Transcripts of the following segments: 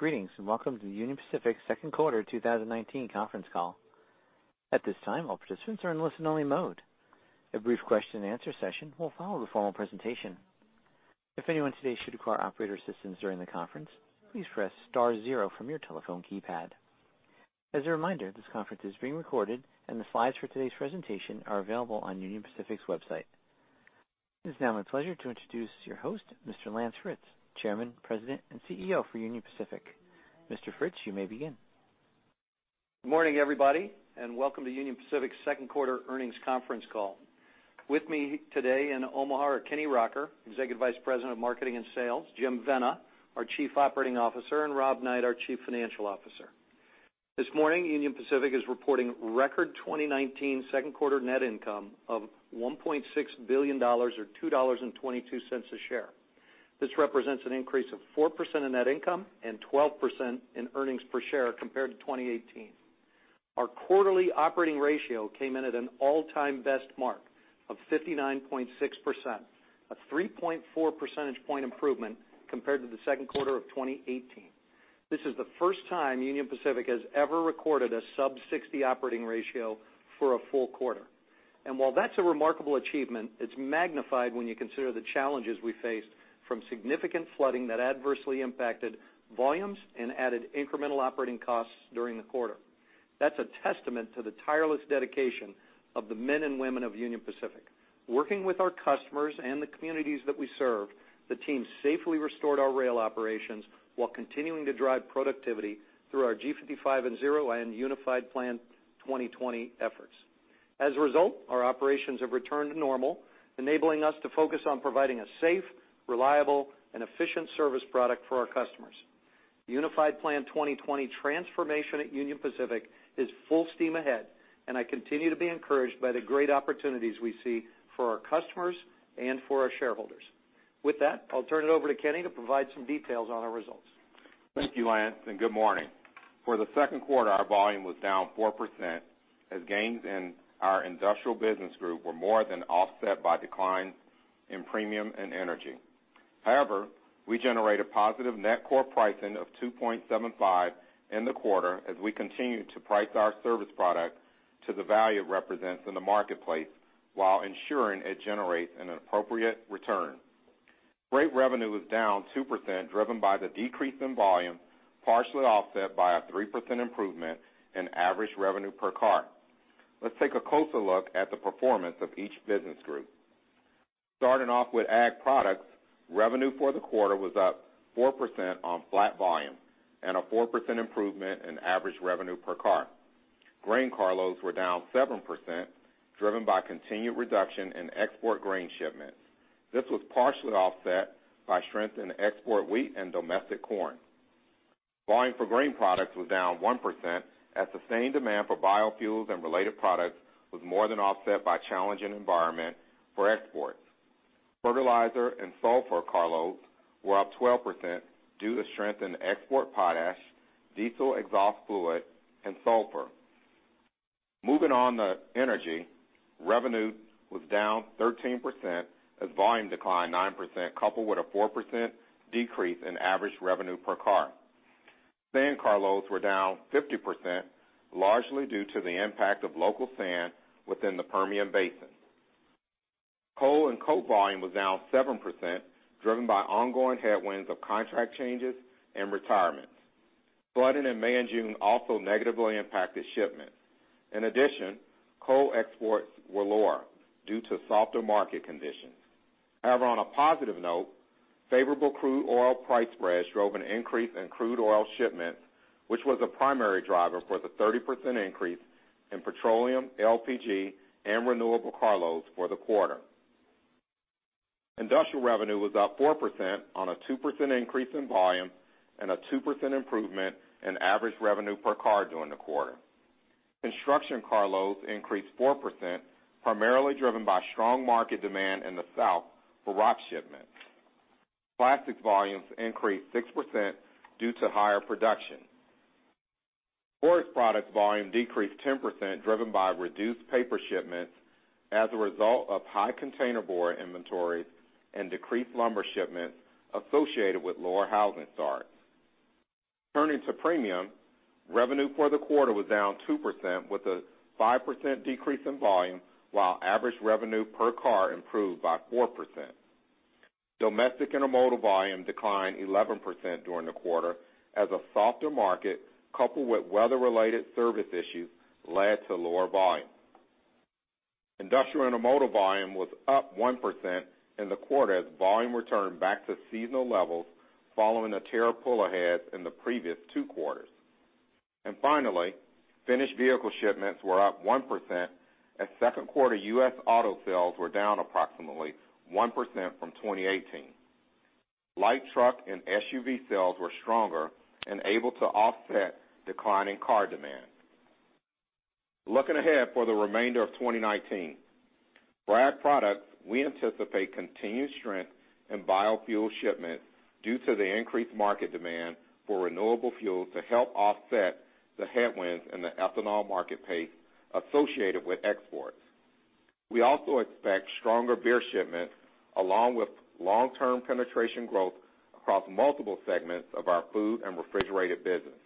Greetings. Welcome to the Union Pacific second quarter 2019 conference call. At this time, all participants are in listen-only mode. A brief question and answer session will follow the formal presentation. If anyone today should require operator assistance during the conference, please press star zero from your telephone keypad. As a reminder, this conference is being recorded, and the slides for today's presentation are available on Union Pacific's website. It is now my pleasure to introduce your host, Mr. Lance Fritz, Chairman, President, and CEO for Union Pacific. Mr. Fritz, you may begin. Good morning, everybody. Welcome to Union Pacific's second quarter earnings conference call. With me today in Omaha are Kenny Rocker, Executive Vice President of Marketing and Sales, Jim Vena, our Chief Operating Officer, and Rob Knight, our Chief Financial Officer. This morning, Union Pacific is reporting record 2019 second quarter net income of $1.6 billion, or $2.22 a share. This represents an increase of 4% in net income and 12% in earnings per share compared to 2018. Our quarterly operating ratio came in at an all-time best mark of 59.6%, a 3.4 percentage point improvement compared to the second quarter of 2018. This is the first time Union Pacific has ever recorded a sub-60 operating ratio for a full quarter. While that's a remarkable achievement, it's magnified when you consider the challenges we faced from significant flooding that adversely impacted volumes and added incremental operating costs during the quarter. That's a testament to the tireless dedication of the men and women of Union Pacific. Working with our customers and the communities that we serve, the team safely restored our rail operations while continuing to drive productivity through our G55+0 and Unified Plan 2020 efforts. As a result, our operations have returned to normal, enabling us to focus on providing a safe, reliable, and efficient service product for our customers. Unified Plan 2020 transformation at Union Pacific is full steam ahead. I continue to be encouraged by the great opportunities we see for our customers and for our shareholders. With that, I'll turn it over to Kenny to provide some details on our results. Thank you, Lance, and good morning. For the second quarter, our volume was down 4%, as gains in our industrial business group were more than offset by declines in premium and energy. However, we generated positive net core pricing of 2.75% in the quarter as we continued to price our service product to the value it represents in the marketplace while ensuring it generates an appropriate return. Freight revenue was down 2%, driven by the decrease in volume, partially offset by a 3% improvement in average revenue per car. Let's take a closer look at the performance of each business group. Starting off with ag products, revenue for the quarter was up 4% on flat volume and a 4% improvement in average revenue per car. Grain car loads were down 7%, driven by continued reduction in export grain shipments. This was partially offset by strength in export wheat and domestic corn. Volume for grain products was down 1% as sustained demand for biofuels and related products was more than offset by challenging environment for exports. Fertilizer and sulfur car loads were up 12% due to strength in export potash, diesel exhaust fluid, and sulfur. Moving on to energy, revenue was down 13% as volume declined 9%, coupled with a 4% decrease in average revenue per car. Sand car loads were down 50%, largely due to the impact of local sand within the Permian Basin. Coal and coke volume was down 7%, driven by ongoing headwinds of contract changes and retirements. Flooding in May and June also negatively impacted shipments. In addition, coal exports were lower due to softer market conditions. On a positive note, favorable crude oil price spreads drove an increase in crude oil shipments, which was a primary driver for the 30% increase in petroleum, LPG, and renewable car loads for the quarter. Industrial revenue was up 4% on a 2% increase in volume and a 2% improvement in average revenue per car during the quarter. Construction car loads increased 4%, primarily driven by strong market demand in the south for rock shipments. Plastics volumes increased 6% due to higher production. Forest products volume decreased 10%, driven by reduced paper shipments as a result of high container board inventories and decreased lumber shipments associated with lower housing starts. Turning to premium, revenue for the quarter was down 2% with a 5% decrease in volume, while average revenue per car improved by 4%. Domestic intermodal volume declined 11% during the quarter as a softer market, coupled with weather-related service issues, led to lower volume. Industrial intermodal volume was up 1% in the quarter as volume returned back to seasonal levels following the tariff pull ahead in the previous two quarters. Finished vehicle shipments were up 1% as second quarter U.S. auto sales were down approximately 1% from 2018. Light truck and SUV sales were stronger and able to offset declining car demand. Looking ahead for the remainder of 2019. For ag products, we anticipate continued strength in biofuel shipments due to the increased market demand for renewable fuels to help offset the headwinds in the ethanol market pace associated with exports. We also expect stronger beer shipments, along with long-term penetration growth across multiple segments of our food and refrigerated business.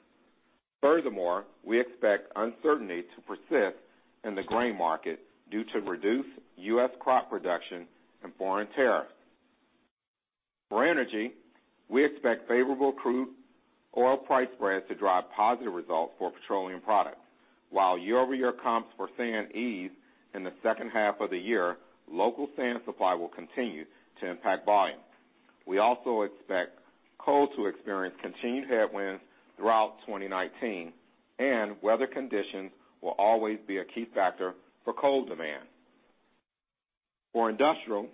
Furthermore, we expect uncertainty to persist in the grain market due to reduced U.S. crop production and foreign tariffs. For energy, we expect favorable crude oil price spreads to drive positive results for petroleum products. While year-over-year comps for sand ease in the second half of the year, local sand supply will continue to impact volume. We also expect coal to experience continued headwinds throughout 2019, and weather conditions will always be a key factor for coal demand. For industrial,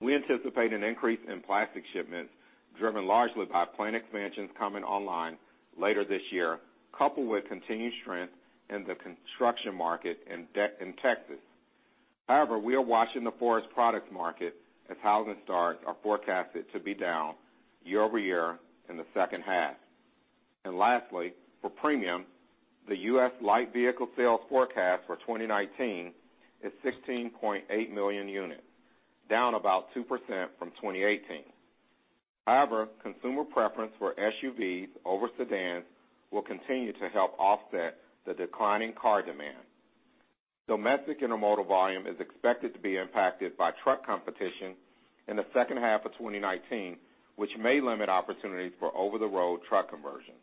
we anticipate an increase in plastic shipments, driven largely by plant expansions coming online later this year, coupled with continued strength in the construction market in Texas. We are watching the forest products market as housing starts are forecasted to be down year-over-year in the second half. For premium, the U.S. light vehicle sales forecast for 2019 is 16.8 million units, down about 2% from 2018. However, consumer preference for SUVs over sedans will continue to help offset the declining car demand. Domestic intermodal volume is expected to be impacted by truck competition in the second half of 2019, which may limit opportunities for over-the-road truck conversions.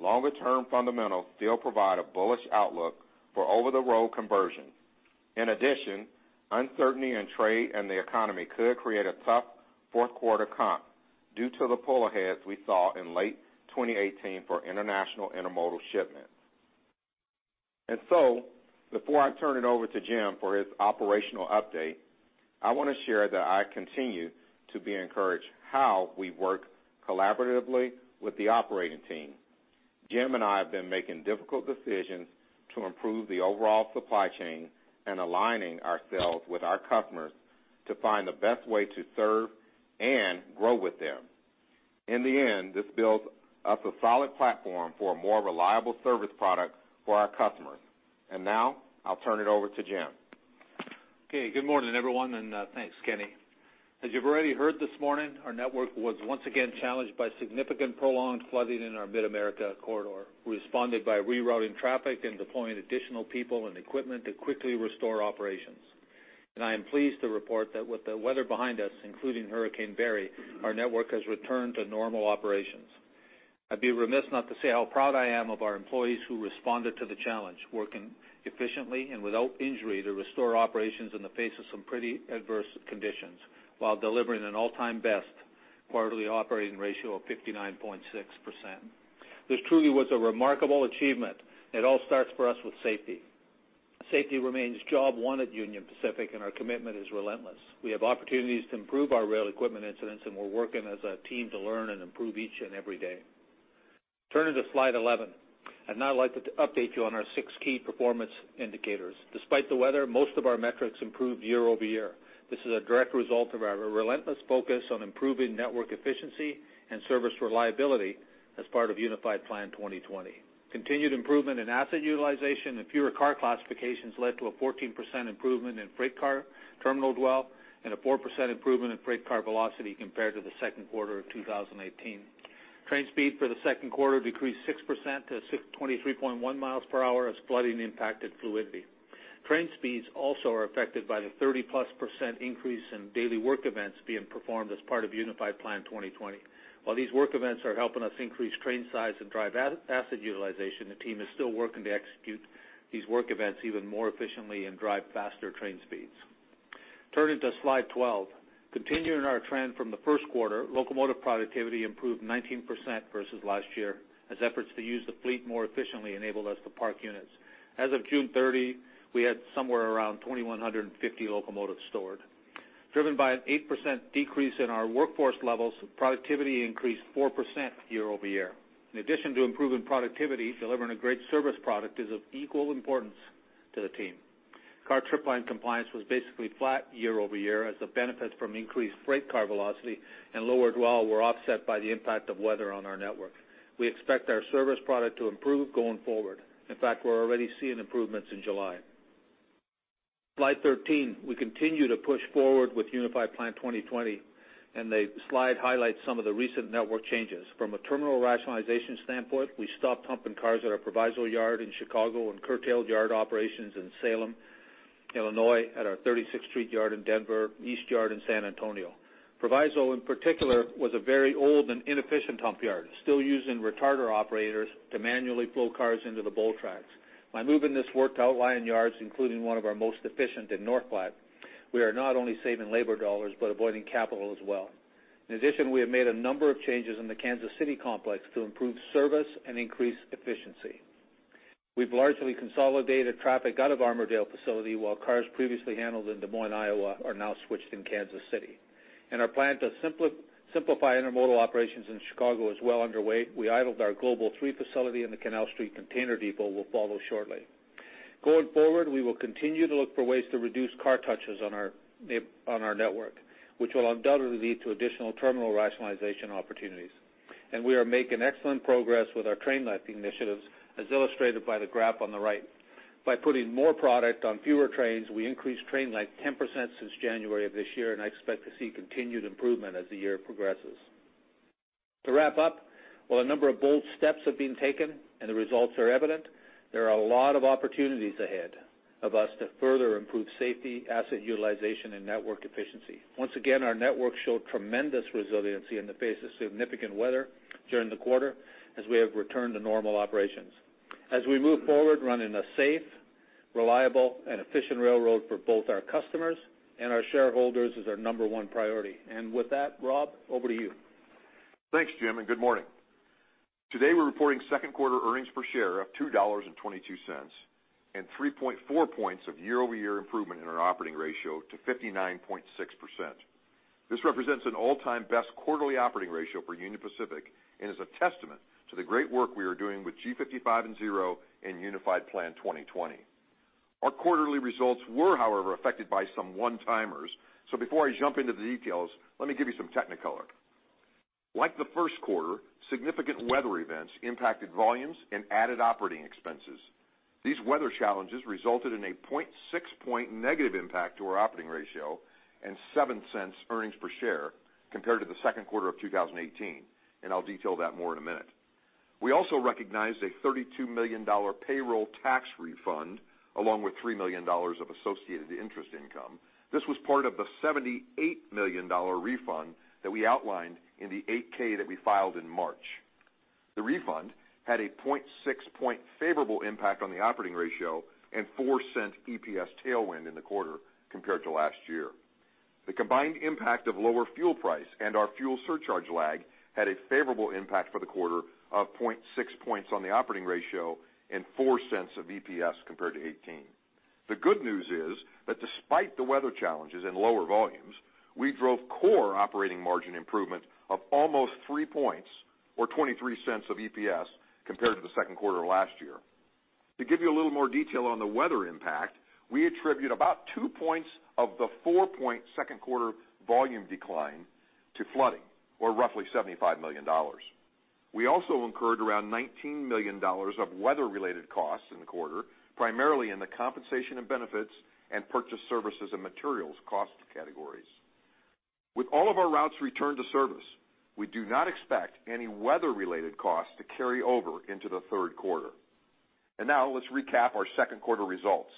Longer-term fundamentals still provide a bullish outlook for over-the-road conversions. In addition, uncertainty in trade and the economy could create a tough fourth quarter comp due to the pull-aheads we saw in late 2018 for international intermodal shipments. Before I turn it over to Jim for his operational update, I want to share that I continue to be encouraged how we work collaboratively with the operating team. Jim and I have been making difficult decisions to improve the overall supply chain and aligning ourselves with our customers to find the best way to serve and grow with them. In the end, this builds up a solid platform for a more reliable service product for our customers. Now I'll turn it over to Jim. Okay, good morning, everyone, and thanks, Kenny. As you've already heard this morning, our network was once again challenged by significant prolonged flooding in our Mid-America corridor. We responded by rerouting traffic and deploying additional people and equipment to quickly restore operations. I am pleased to report that with the weather behind us, including Hurricane Barry, our network has returned to normal operations. I'd be remiss not to say how proud I am of our employees who responded to the challenge, working efficiently and without injury to restore operations in the face of some pretty adverse conditions while delivering an all-time best quarterly operating ratio of 59.6%. This truly was a remarkable achievement, and it all starts for us with safety. Safety remains job one at Union Pacific, and our commitment is relentless. We have opportunities to improve our rail equipment incidents, and we're working as a team to learn and improve each and every day. Turning to slide 11. I'd now like to update you on our six key performance indicators. Despite the weather, most of our metrics improved year-over-year. This is a direct result of our relentless focus on improving network efficiency and service reliability as part of Unified Plan 2020. Continued improvement in asset utilization and fewer car classifications led to a 14% improvement in freight car terminal dwell and a 4% improvement in freight car velocity compared to the second quarter of 2018. Train speed for the second quarter decreased 6% to 23.1 mi per hour as flooding impacted fluidity. Train speeds also are affected by the 30%+ increase in daily work events being performed as part of Unified Plan 2020. While these work events are helping us increase train size and drive asset utilization, the team is still working to execute these work events even more efficiently and drive faster train speeds. Turning to slide 12. Continuing our trend from the first quarter, locomotive productivity improved 19% versus last year as efforts to use the fleet more efficiently enabled us to park units. As of June 30, we had somewhere around 2,150 locomotives stored. Driven by an 8% decrease in our workforce levels, productivity increased 4% year-over-year. In addition to improving productivity, delivering a great service product is of equal importance to the team. Car trip plan compliance was basically flat year-over-year as the benefits from increased freight car velocity and lower dwell were offset by the impact of weather on our network. We expect our service product to improve going forward. In fact, we're already seeing improvements in July. Slide 13, we continue to push forward with Unified Plan 2020, the slide highlights some of the recent network changes. From a terminal rationalization standpoint, we stopped pumping cars at our Proviso yard in Chicago and curtailed yard operations in Salem, Illinois at our 36th Street yard in Denver, East Yard in San Antonio. Proviso, in particular, was a very old and inefficient hump yard, still using retarder operators to manually flow cars into the bowl tracks. By moving this work to outlying yards, including one of our most efficient in North Platte, we are not only saving labor dollars but avoiding capital as well. In addition, we have made a number of changes in the Kansas City complex to improve service and increase efficiency. We've largely consolidated traffic out of Armourdale facility, while cars previously handled in Des Moines, Iowa are now switched in Kansas City. Our plan to simplify intermodal operations in Chicago is well underway. We idled our Global III facility, the Canal Street container depot will follow shortly. Going forward, we will continue to look for ways to reduce car touches on our network, which will undoubtedly lead to additional terminal rationalization opportunities. We are making excellent progress with our train length initiatives, as illustrated by the graph on the right. By putting more product on fewer trains, we increased train length 10% since January of this year, I expect to see continued improvement as the year progresses. To wrap up, while a number of bold steps have been taken and the results are evident, there are a lot of opportunities ahead of us to further improve safety, asset utilization, and network efficiency. Once again, our network showed tremendous resiliency in the face of significant weather during the quarter, as we have returned to normal operations. As we move forward, running a safe, reliable, and efficient railroad for both our customers and our shareholders is our number one priority. With that, Rob, over to you. Thanks, Jim, and good morning. Today we're reporting second quarter earnings per share of $2.22 and 3.4 points of year-over-year improvement in our operating ratio to 59.6%. This represents an all-time best quarterly operating ratio for Union Pacific and is a testament to the great work we are doing with G55 + 0 and Unified Plan 2020. Our quarterly results were, however, affected by some one-timers. Before I jump into the details, let me give you some Technicolor. Like the first quarter, significant weather events impacted volumes and added operating expenses. These weather challenges resulted in a 0.6 point negative impact to our operating ratio and $0.07 earnings per share compared to the second quarter of 2018. I'll detail that more in a minute. We also recognized a $32 million payroll tax refund, along with $3 million of associated interest income. This was part of the $78 million refund that we outlined in the 8-K that we filed in March. The refund had a 0.6 point favorable impact on the operating ratio and $0.04 EPS tailwind in the quarter compared to last year. The combined impact of lower fuel price and our fuel surcharge lag had a favorable impact for the quarter of 0.6 points on the operating ratio and $0.04 of EPS compared to 2018. The good news is that despite the weather challenges and lower volumes, we drove core operating margin improvements of almost 3 points or $0.23 of EPS compared to the second quarter of last year. To give you a little more detail on the weather impact, we attribute about 2 points of the 4-point second quarter volume decline to flooding, or roughly $75 million. We also incurred around $19 million of weather-related costs in the quarter, primarily in the compensation and benefits and purchased services and materials cost categories. With all of our routes returned to service, we do not expect any weather-related costs to carry over into the third quarter. Now let's recap our second quarter results.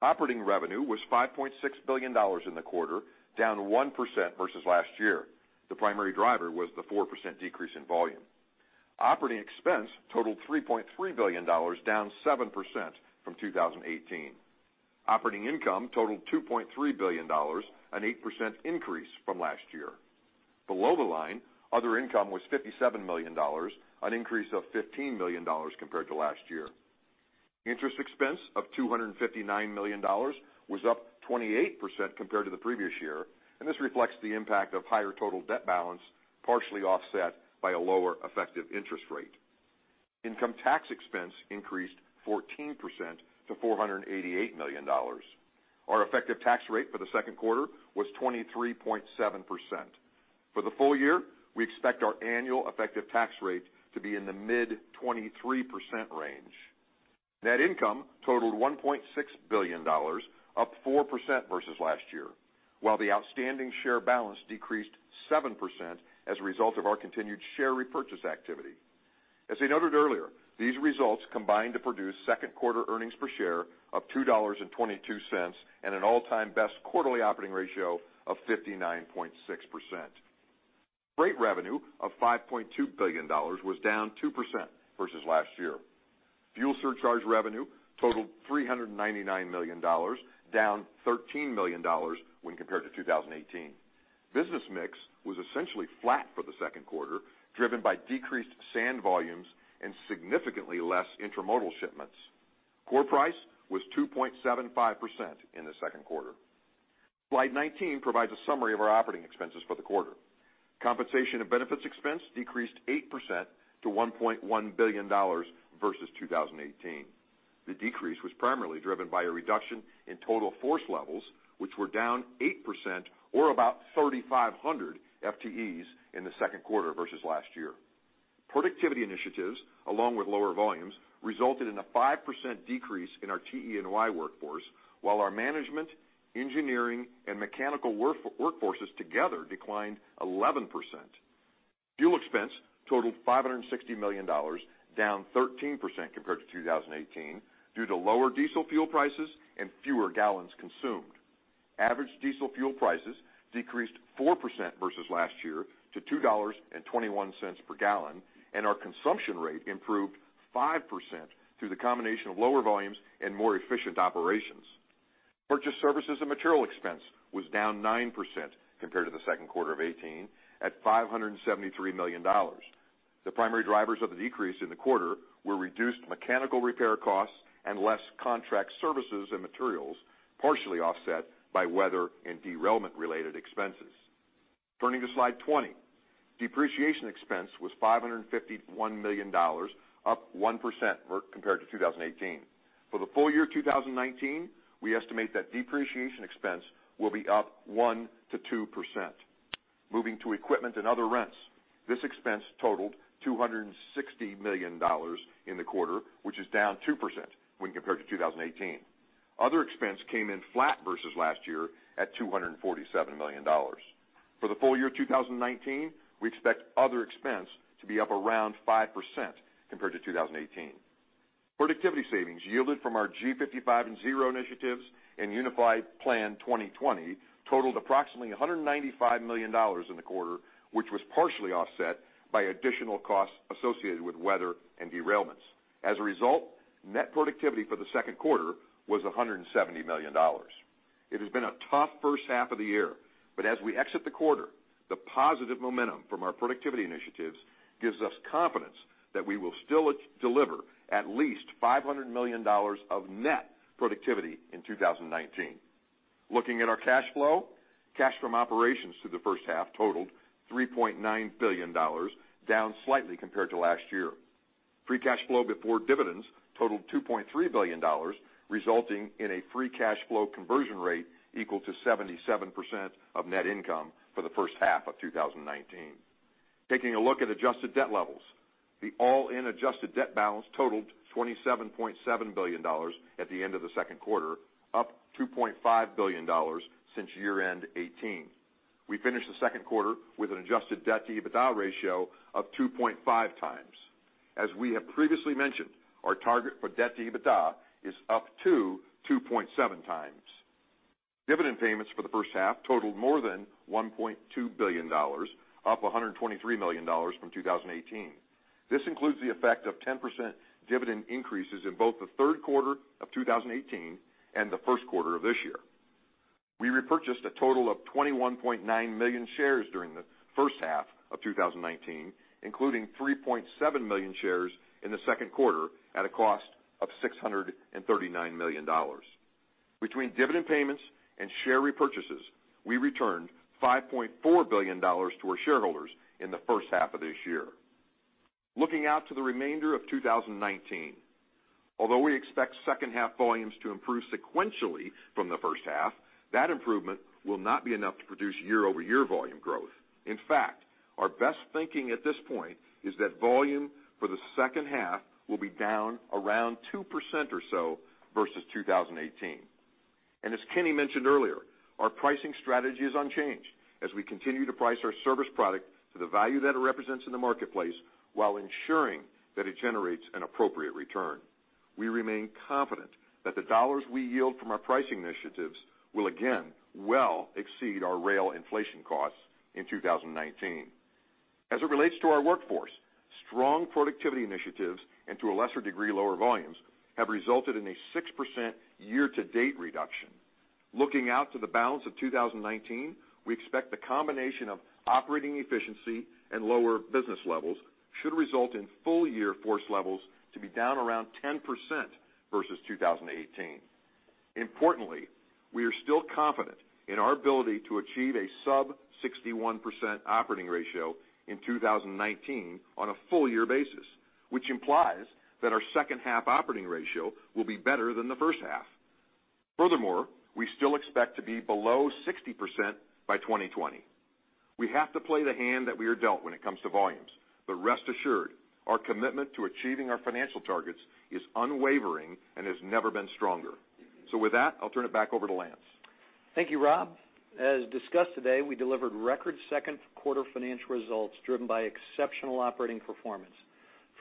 Operating revenue was $5.6 billion in the quarter, down 1% versus last year. The primary driver was the 4% decrease in volume. Operating expense totaled $3.3 billion, down 7% from 2018. Operating income totaled $2.3 billion, an 8% increase from last year. Below the line, other income was $57 million, an increase of $15 million compared to last year. Interest expense of $259 million was up 28% compared to the previous year. This reflects the impact of higher total debt balance, partially offset by a lower effective interest rate. Income tax expense increased 14% to $488 million. Our effective tax rate for the second quarter was 23.7%. For the full year, we expect our annual effective tax rate to be in the mid-23% range. Net income totaled $1.6 billion, up 4% versus last year, while the outstanding share balance decreased 7% as a result of our continued share repurchase activity. As I noted earlier, these results combined to produce second quarter earnings per share of $2.22 and an all-time best quarterly operating ratio of 59.6%. Freight revenue of $5.2 billion was down 2% versus last year. Fuel surcharge revenue totaled $399 million, down $13 million when compared to 2018. Business mix was essentially flat for the second quarter, driven by decreased sand volumes and significantly less intermodal shipments. Core price was 2.75% in the second quarter. Slide 19 provides a summary of our operating expenses for the quarter. Compensation and benefits expense decreased 8% to $1.1 billion versus 2018. The decrease was primarily driven by a reduction in total force levels, which were down 8%, or about 3,500 FTEs, in the second quarter versus last year. Productivity initiatives, along with lower volumes, resulted in a 5% decrease in our TE&Y workforce, while our management, engineering, and mechanical workforces together declined 11%. Fuel expense totaled $560 million, down 13% compared to 2018 due to lower diesel fuel prices and fewer gallons consumed. Average diesel fuel prices decreased 4% versus last year to $2.21 per gallon, and our consumption rate improved 5% through the combination of lower volumes and more efficient operations. Purchased services and material expense was down 9% compared to the second quarter of 2018 at $573 million. The primary drivers of the decrease in the quarter were reduced mechanical repair costs and less contract services and materials, partially offset by weather and derailment-related expenses. Turning to slide 20. Depreciation expense was $551 million, up 1% compared to 2018. For the full year 2019, we estimate that depreciation expense will be up 1%-2%. Moving to equipment and other rents, this expense totaled $260 million in the quarter, which is down 2% when compared to 2018. Other expense came in flat versus last year, at $247 million. For the full year 2019, we expect other expense to be up around 5% compared to 2018. Productivity savings yielded from our G55+0 initiatives and Unified Plan 2020 totaled approximately $195 million in the quarter, which was partially offset by additional costs associated with weather and derailments. As a result, net productivity for the second quarter was $170 million. It has been a tough first half of the year, but as we exit the quarter, the positive momentum from our productivity initiatives gives us confidence that we will still deliver at least $500 million of net productivity in 2019. Looking at our cash flow, cash from operations through the first half totaled $3.9 billion, down slightly compared to last year. Free cash flow before dividends totaled $2.3 billion, resulting in a free cash flow conversion rate equal to 77% of net income for the first half of 2019. Taking a look at adjusted debt levels, the all-in adjusted debt balance totaled $27.7 billion at the end of the second quarter, up $2.5 billion since year-end 2018. We finished the second quarter with an adjusted debt-to-EBITDA ratio of 2.5x. As we have previously mentioned, our target for debt-to-EBITDA is up to 2.7x. Dividend payments for the first half totaled more than $1.2 billion, up $123 million from 2018. This includes the effect of 10% dividend increases in both the third quarter of 2018 and the first quarter of this year. We repurchased a total of 21.9 million shares during the first half of 2019, including 3.7 million shares in the second quarter at a cost of $639 million. Between dividend payments and share repurchases, we returned $5.4 billion to our shareholders in the first half of this year. Looking out to the remainder of 2019, although we expect second half volumes to improve sequentially from the first half, that improvement will not be enough to produce year-over-year volume growth. In fact, our best thinking at this point is that volume for the second half will be down around 2% or so versus 2018. As Kenny mentioned earlier, our pricing strategy is unchanged as we continue to price our service product to the value that it represents in the marketplace while ensuring that it generates an appropriate return. We remain confident that the dollars we yield from our pricing initiatives will again well exceed our rail inflation costs in 2019. As it relates to our workforce, strong productivity initiatives, and to a lesser degree, lower volumes, have resulted in a 6% year-to-date reduction. Looking out to the balance of 2019, we expect the combination of operating efficiency and lower business levels should result in full-year force levels to be down around 10% versus 2018. Importantly, we are still confident in our ability to achieve a sub 61% operating ratio in 2019 on a full-year basis, which implies that our second half operating ratio will be better than the first half. Furthermore, we still expect to be below 60% by 2020. We have to play the hand that we are dealt when it comes to volumes, rest assured, our commitment to achieving our financial targets is unwavering and has never been stronger. With that, I'll turn it back over to Lance. Thank you, Rob. As discussed today, we delivered record second quarter financial results driven by exceptional operating performance.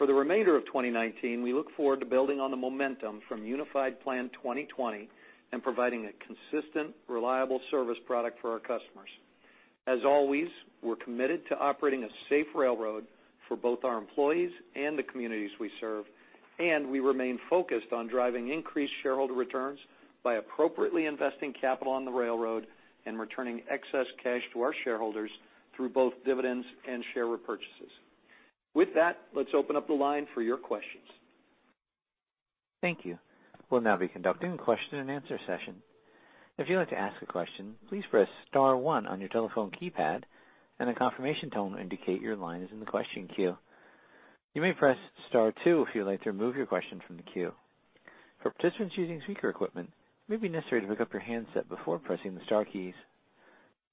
For the remainder of 2019, we look forward to building on the momentum from Unified Plan 2020 and providing a consistent, reliable service product for our customers. As always, we're committed to operating a safe railroad for both our employees and the communities we serve, we remain focused on driving increased shareholder returns by appropriately investing capital on the railroad and returning excess cash to our shareholders through both dividends and share repurchases. With that, let's open up the line for your questions. Thank you. We'll now be conducting a question and answer session. If you'd like to ask a question, please press star one on your telephone keypad, a confirmation tone will indicate your line is in the question queue. You may press star two if you'd like to remove your question from the queue. For participants using speaker equipment, it may be necessary to pick up your handset before pressing the star keys.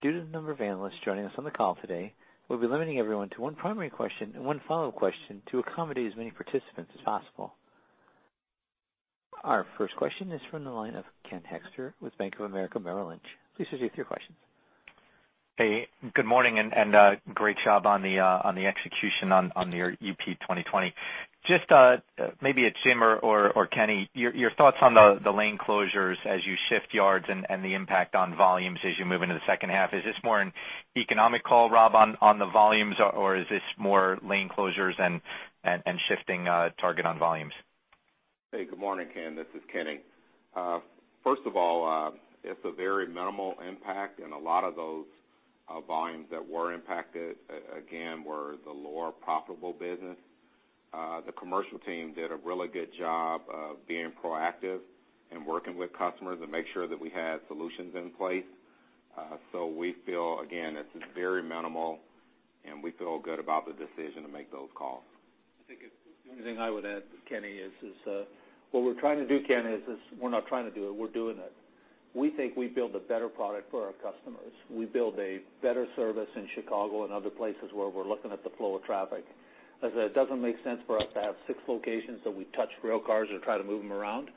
Due to the number of analysts joining us on the call today, we'll be limiting everyone to one primary question and one follow-up question to accommodate as many participants as possible. Our first question is from the line of Ken Hoexter with Bank of America Merrill Lynch. Please proceed with your questions. Good morning. Great job on the execution on your UP 2020. Just maybe it's Jim or Kenny, your thoughts on the lane closures as you shift yards and the impact on volumes as you move into the second half? Is this more an economic call, Rob, on the volumes, or is this more lane closures and shifting target on volumes? Good morning, Ken. This is Kenny. First of all, it's a very minimal impact. A lot of those volumes that were impacted, again, were the lower profitable business. The commercial team did a really good job of being proactive Working with customers and make sure that we have solutions in place. We feel, again, it's very minimal, and we feel good about the decision to make those calls. I think the only thing I would add, Kenny, is what we're trying to do, Ken, is we're not trying to do it, we're doing it. We think we build a better product for our customers. We build a better service in Chicago and other places where we're looking at the flow of traffic, as it doesn't make sense for us to have six locations that we touch rail cars or try to move them around.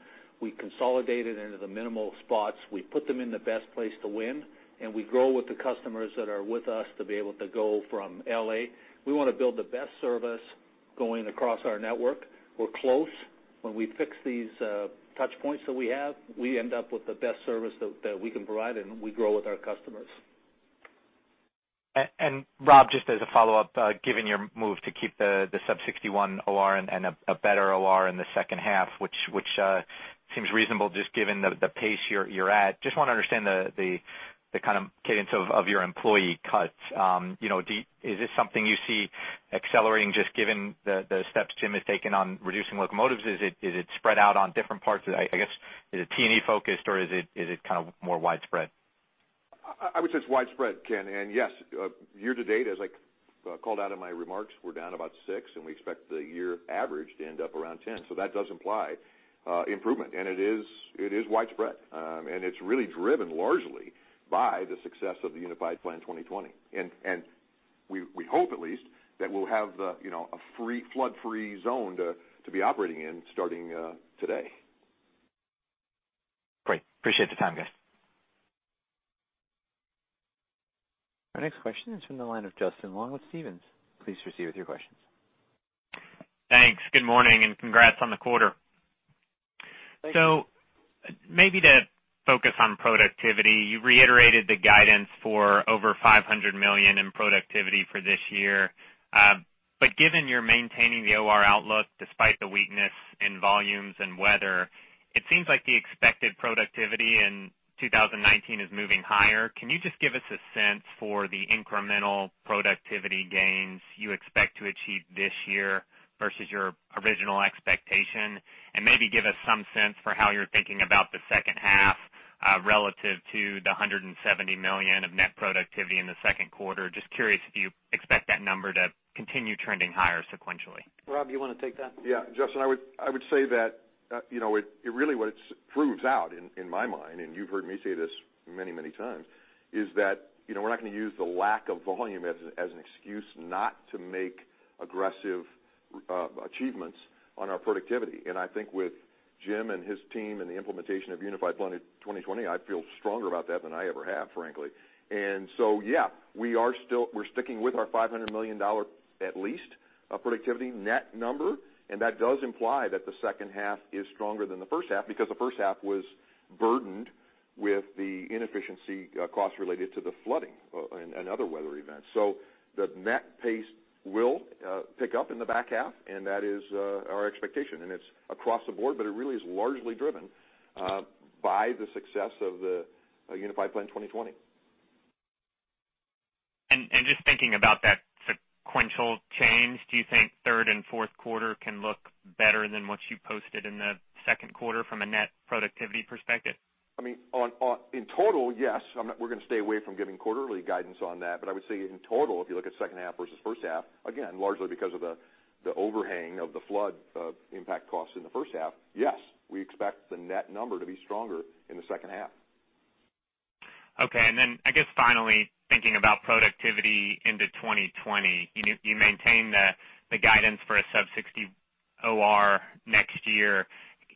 We consolidate it into the minimal spots. We put them in the best place to win, and we grow with the customers that are with us to be able to go from LA. We want to build the best service going across our network. We're close. When we fix these touchpoints that we have, we end up with the best service that we can provide, and we grow with our customers. Rob, just as a follow-up, given your move to keep the sub 61% OR and a better OR in the second half, which seems reasonable, just given the pace you're at. Just want to understand the kind of cadence of your employee cuts. Is this something you see accelerating, just given the steps Jim has taken on reducing locomotives? Is it spread out on different parts? I guess, is it T&E focused, or is it kind of more widespread? I would say it's widespread, Ken. Yes, year-to-date, as I called out in my remarks, we're down about six, and we expect the year average to end up around 10. That does imply improvement, and it is widespread. It's really driven largely by the success of the Unified Plan 2020. We hope at least that we'll have a flood-free zone to be operating in starting today. Great. Appreciate the time, guys. Our next question is from the line of Justin Long with Stephens. Please proceed with your questions. Thanks. Good morning, congrats on the quarter. Thank you. Maybe to focus on productivity, you reiterated the guidance for over $500 million in productivity for this year. Given you're maintaining the OR outlook despite the weakness in volumes and weather, it seems like the expected productivity in 2019 is moving higher. Can you just give us a sense for the incremental productivity gains you expect to achieve this year versus your original expectation? Maybe give us some sense for how you're thinking about the second half relative to the $170 million of net productivity in the second quarter. Just curious if you expect that number to continue trending higher sequentially. Rob, you want to take that? Justin, I would say that really what it proves out in my mind, and you've heard me say this many times, is that we're not going to use the lack of volume as an excuse not to make aggressive achievements on our productivity. I think with Jim and his team and the implementation of Unified Plan 2020, I feel stronger about that than I ever have, frankly. We're sticking with our $500 million, at least, productivity net number, and that does imply that the second half is stronger than the first half because the first half was burdened with the inefficiency costs related to the flooding and other weather events. The net pace will pick up in the back half, and that is our expectation, and it's across the board, but it really is largely driven by the success of the Unified Plan 2020. Just thinking about that sequential change, do you think third and fourth quarter can look better than what you posted in the second quarter from a net productivity perspective? In total, yes. We're going to stay away from giving quarterly guidance on that. I would say in total, if you look at second half versus first half, again, largely because of the overhang of the flood impact costs in the first half, yes, we expect the net number to be stronger in the second half. Okay, I guess finally, thinking about productivity into 2020, you maintain the guidance for a sub 60% OR next year.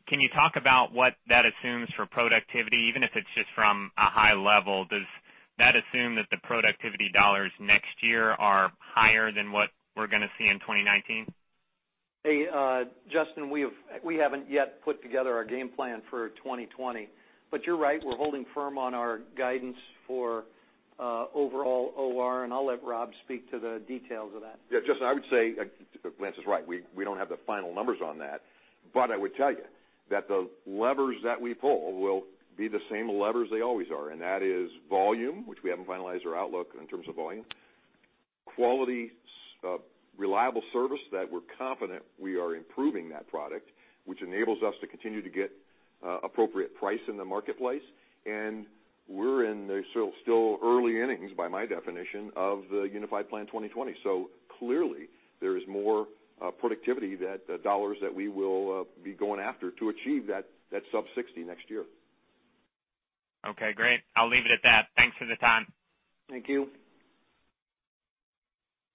Can you talk about what that assumes for productivity, even if it's just from a high level? Does that assume that the productivity dollars next year are higher than what we're going to see in 2019? Hey, Justin, we haven't yet put together our game plan for 2020, but you're right, we're holding firm on our guidance for overall OR, and I'll let Rob speak to the details of that. Yeah, Justin, I would say Lance is right. We don't have the final numbers on that. I would tell you that the levers that we pull will be the same levers they always are, and that is volume, which we haven't finalized our outlook in terms of volume. Quality, reliable service that we're confident we are improving that product, which enables us to continue to get appropriate price in the marketplace. We're in the still early innings, by my definition, of the Unified Plan 2020. Clearly, there is more productivity that the dollars that we will be going after to achieve that sub 60% next year. Okay, great. I'll leave it at that. Thanks for the time. Thank you.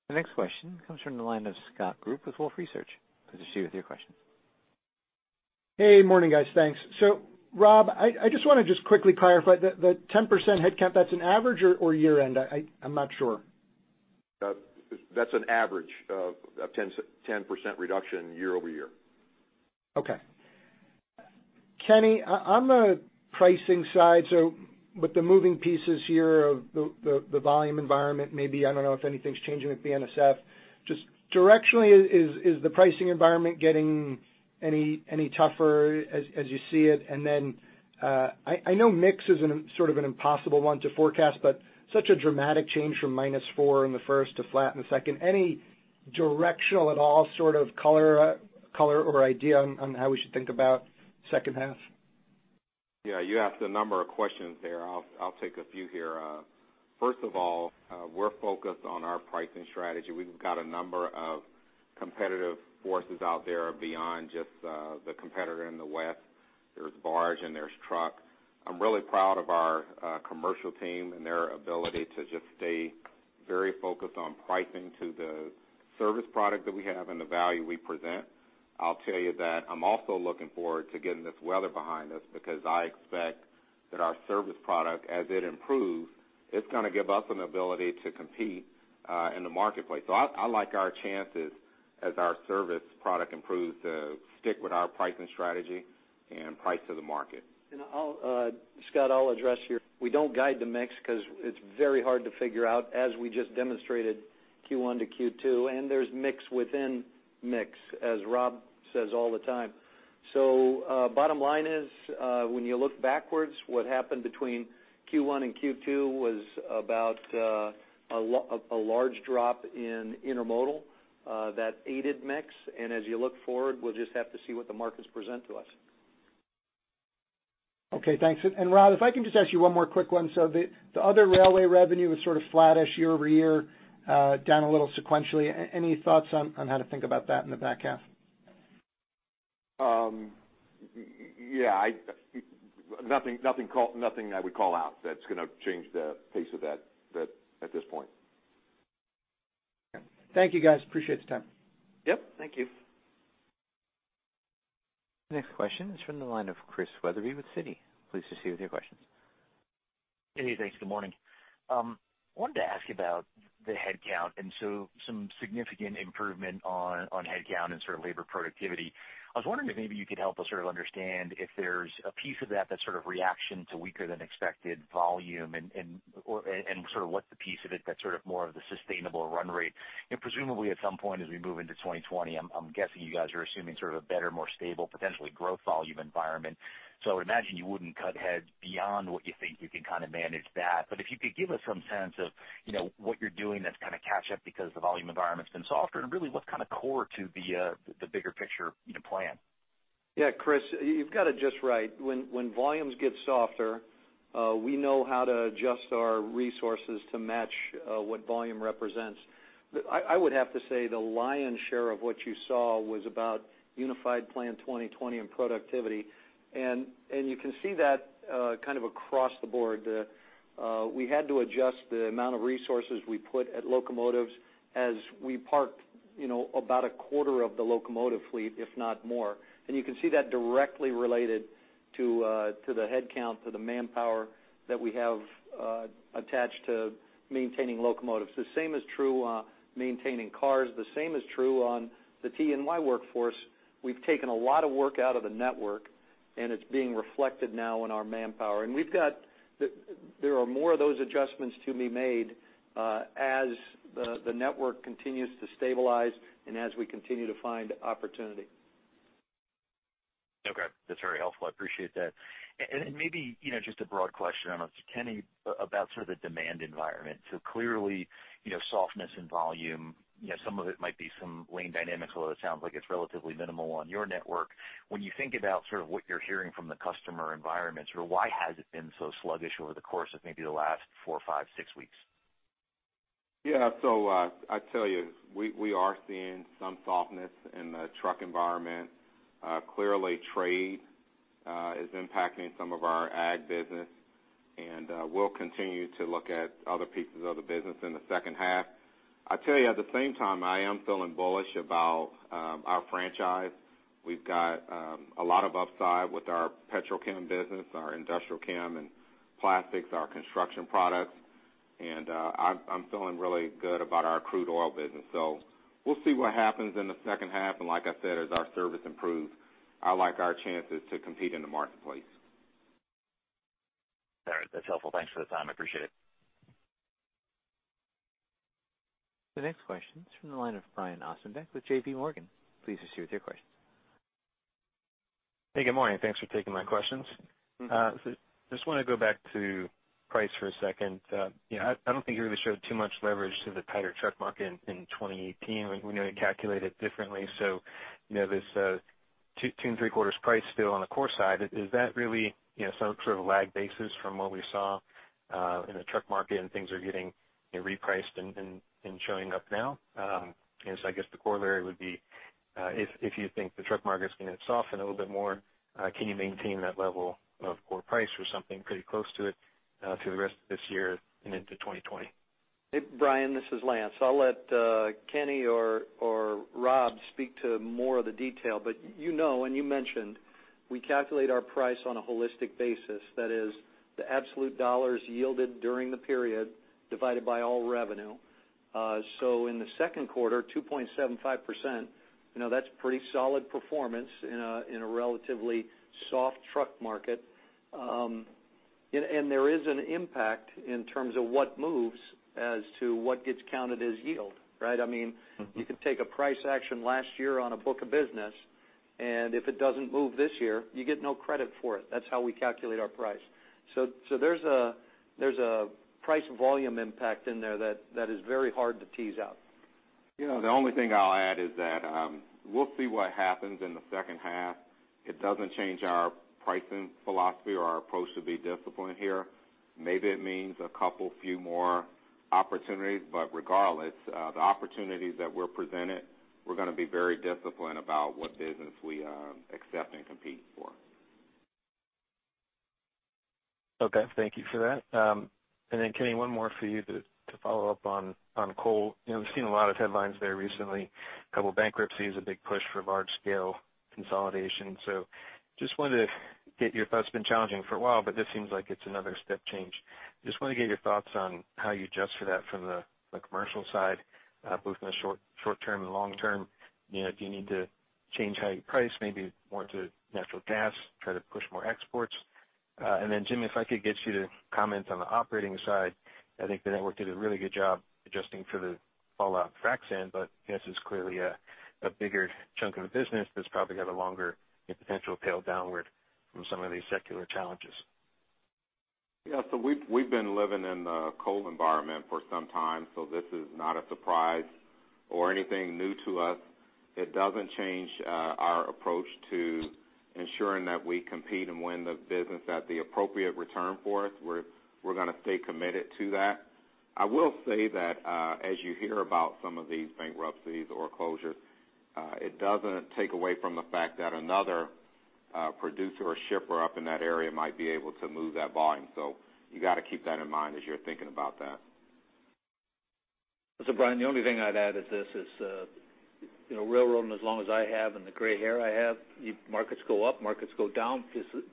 The next question comes from the line of Scott Group with Wolfe Research. Please proceed with your question. Hey, morning, guys. Thanks. Rob, I just want to quickly clarify the 10% headcount, that's an average or year end? I'm not sure. That's an average of 10% reduction year-over-year. Kenny, on the pricing side, with the moving pieces here of the volume environment, maybe, I don't know if anything's changing with BNSF. Just directionally, is the pricing environment getting any tougher as you see it? Then, I know mix is sort of an impossible one to forecast, but such a dramatic change from -4 in the first to flat in the second, any Directional at all sort of color or idea on how we should think about second half? Yeah, you asked a number of questions there. I'll take a few here. First of all, we're focused on our pricing strategy. We've got a number of competitive forces out there beyond just the competitor in the West. There's barge and there's truck. I'm really proud of our commercial team and their ability to just stay very focused on pricing to the service product that we have and the value we present. I'll tell you that I'm also looking forward to getting this weather behind us because I expect that our service product, as it improves, it's going to give us an ability to compete in the marketplace. I like our chances as our service product improves to stick with our pricing strategy and price to the market. Scott, I'll address your We don't guide the mix because it's very hard to figure out, as we just demonstrated Q1 to Q2, and there's mix within mix, as Rob says all the time. Bottom line is, when you look backwards, what happened between Q1 and Q2 was about a large drop in intermodal that aided mix, and as you look forward, we'll just have to see what the markets present to us. Okay, thanks. Rob, if I can just ask you one more quick one. The other railway revenue was sort of flat-ish year-over-year, down a little sequentially. Any thoughts on how to think about that in the back half? Yeah. Nothing I would call out that's going to change the face of that at this point. Thank you guys, appreciate the time. Yep. Thank you. Next question is from the line of Chris Wetherbee with Citi. Please proceed with your questions. Hey, thanks. Good morning. I wanted to ask about the headcount and so some significant improvement on headcount and sort of labor productivity. I was wondering if maybe you could help us sort of understand if there's a piece of that that's sort of reaction to weaker than expected volume and sort of what the piece of it that's sort of more of the sustainable run rate. Presumably at some point as we move into 2020, I'm guessing you guys are assuming sort of a better, more stable, potentially growth volume environment. I would imagine you wouldn't cut heads beyond what you think you can kind of manage that. If you could give us some sense of what you're doing that's kind of catch up because the volume environment's been softer and really what's kind of core to the bigger picture plan. Yeah, Chris, you've got it just right. When volumes get softer, we know how to adjust our resources to match what volume represents. I would have to say the lion's share of what you saw was about Unified Plan 2020 and productivity and you can see that kind of across the board. We had to adjust the amount of resources we put at locomotives as we parked about a quarter of the locomotive fleet, if not more. You can see that directly related to the headcount, to the manpower that we have attached to maintaining locomotives. The same is true on maintaining cars. The same is true on the TE&Y workforce. We've taken a lot of work out of the network and it's being reflected now in our manpower. There are more of those adjustments to be made as the network continues to stabilize and as we continue to find opportunity. Okay. That's very helpful. I appreciate that. Maybe, just a broad question on Kenny about sort of the demand environment. Clearly, softness in volume, some of it might be some lane dynamics, although it sounds like it's relatively minimal on your network. When you think about sort of what you're hearing from the customer environment, sort of why has it been so sluggish over the course of maybe the last four, five, six weeks? I tell you, we are seeing some softness in the truck environment. Clearly trade is impacting some of our ag business and we'll continue to look at other pieces of the business in the second half. I tell you, at the same time, I am feeling bullish about our franchise. We've got a lot of upside with our petrol chem business, our industrial chem and plastics, our construction products and I'm feeling really good about our crude oil business. We'll see what happens in the second half, and like I said, as our service improves, I like our chances to compete in the marketplace. All right. That's helpful. Thanks for the time. I appreciate it. The next question is from the line of Brian Ossenbeck with JPMorgan. Please proceed with your question. Hey, good morning. Thanks for taking my questions. Just want to go back to price for a second. I don't think you really showed too much leverage to the tighter truck market in 2018. We know you calculate it differently, this two and three quarters price still on the core side, is that really some sort of lag basis from what we saw in the truck market and things are getting repriced and showing up now? I guess the corollary would be, if you think the truck market's going to soften a little bit more, can you maintain that level of core price or something pretty close to it through the rest of this year and into 2020? Hey, Brian, this is Lance. I'll let Kenny or Rob speak to more of the detail, but you know and you mentioned, we calculate our price on a holistic basis. That is the absolute dollars yielded during the period divided by all revenue. In the second quarter, 2.75%, that's pretty solid performance in a relatively soft truck market. There is an impact in terms of what moves as to what gets counted as yield, right? I mean, you could take a price action last year on a book of business If it doesn't move this year, you get no credit for it. That's how we calculate our price. There's a price volume impact in there that is very hard to tease out. The only thing I'll add is that we'll see what happens in the second half. It doesn't change our pricing philosophy or our approach to be disciplined here. Maybe it means a couple few more opportunities, but regardless, the opportunities that we're presented, we're going to be very disciplined about what business we accept and compete for. Okay. Thank you for that. Kenny, one more for you to follow up on coal. We've seen a lot of headlines there recently, a couple bankruptcies, a big push for large scale consolidation. Just wanted to get your thoughts, been challenging for a while, but this seems like it's another step change. Just want to get your thoughts on how you adjust for that from the commercial side, both in the short term and long term, if you need to change how you price, maybe more to natural gas, try to push more exports. Jim, if I could get you to comment on the operating side, I think the network did a really good job adjusting for the fallout frac sand, but gas is clearly a bigger chunk of the business that's probably got a longer potential tail downward from some of these secular challenges. Yeah. We've been living in the coal environment for some time, this is not a surprise or anything new to us. It doesn't change our approach to ensuring that we compete and win the business at the appropriate return for us. We're going to stay committed to that. I will say that, as you hear about some of these bankruptcies or closures, it doesn't take away from the fact that another producer or shipper up in that area might be able to move that volume. You got to keep that in mind as you're thinking about that. Brian, the only thing I'd add is this is railroading as long as I have and the gray hair I have, markets go up, markets go down,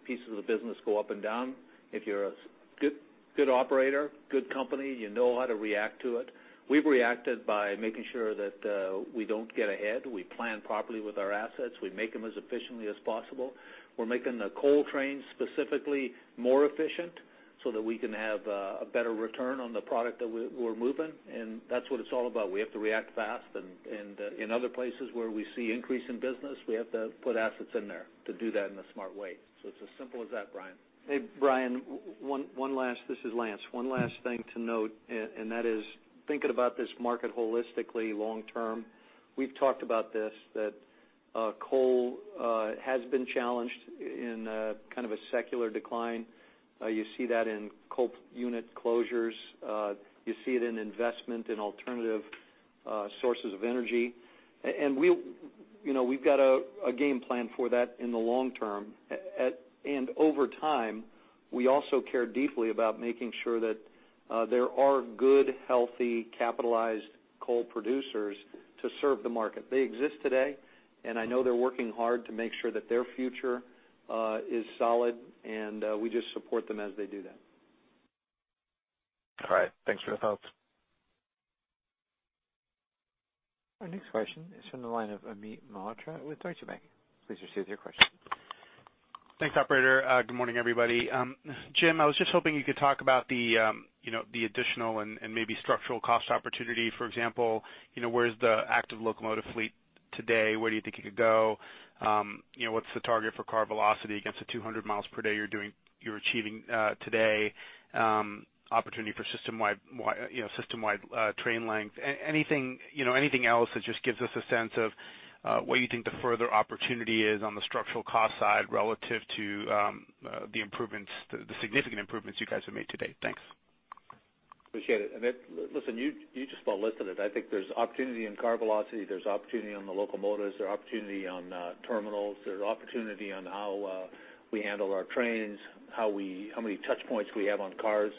pieces of the business go up and down. If you're a good operator, good company, you know how to react to it. We've reacted by making sure that we don't get ahead. We plan properly with our assets. We make them as efficiently as possible. We're making the coal trains specifically more efficient so that we can have a better return on the product that we're moving, that's what it's all about. We have to react fast, in other places where we see increase in business, we have to put assets in there to do that in a smart way. It's as simple as that, Brian. Hey, Brian, this is Lance. One last thing to note, that is thinking about this market holistically long term, we've talked about this, that coal has been challenged in kind of a secular decline. You see that in coal unit closures. You see it in investment in alternative sources of energy. We've got a game plan for that in the long term. Over time, we also care deeply about making sure that there are good, healthy, capitalized coal producers to serve the market. They exist today, I know they're working hard to make sure that their future is solid, we just support them as they do that. All right. Thanks for the thoughts. Our next question is from the line of Amit Mehrotra with Deutsche Bank. Please proceed with your question. Thanks, operator. Good morning, everybody. Jim, I was just hoping you could talk about the additional and maybe structural cost opportunity. For example, where is the active locomotive fleet today? Where do you think it could go? What's the target for car velocity against the 200 miles per day you're achieving today? Opportunity for system-wide train length. Anything else that just gives us a sense of where you think the further opportunity is on the structural cost side relative to the significant improvements you guys have made to date? Thanks. Appreciate it, Amit. Listen, you just about listed it. I think there's opportunity in car velocity, there's opportunity on the locomotives, there's opportunity on terminals, there's opportunity on how we handle our trains, how many touch points we have on cars.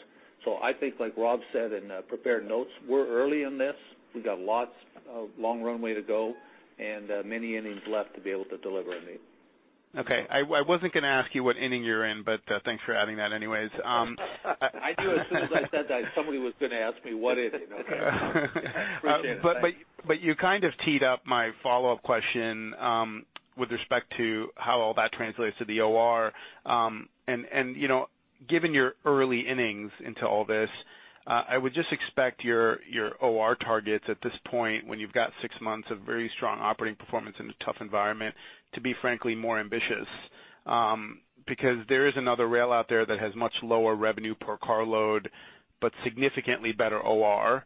I think, like Rob said in the prepared notes, we're early in this. We've got lots of long runway to go and many innings left to be able to deliver, Amit. Okay. I wasn't going to ask you what inning you're in, but thanks for adding that anyways. I knew as soon as I said that somebody was going to ask me what inning. Okay. Appreciate it, thanks. You kind of teed up my follow-up question with respect to how all that translates to the OR. Given your early innings into all this, I would just expect your OR targets at this point, when you've got six months of very strong operating performance in a tough environment to be frankly more ambitious, because there is another rail out there that has much lower revenue per carload, but significantly better OR.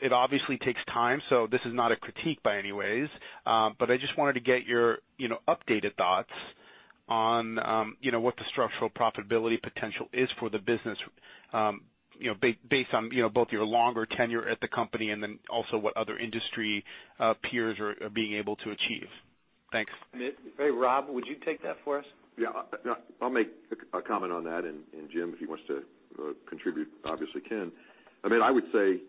It obviously takes time, so this is not a critique by any ways. I just wanted to get your updated thoughts on what the structural profitability potential is for the business based on both your longer tenure at the company and then also what other industry peers are being able to achieve. Thanks. Hey, Rob, would you take that for us? Yeah. I'll make a comment on that, and Jim, if he wants to contribute, obviously can. Amit, I would say,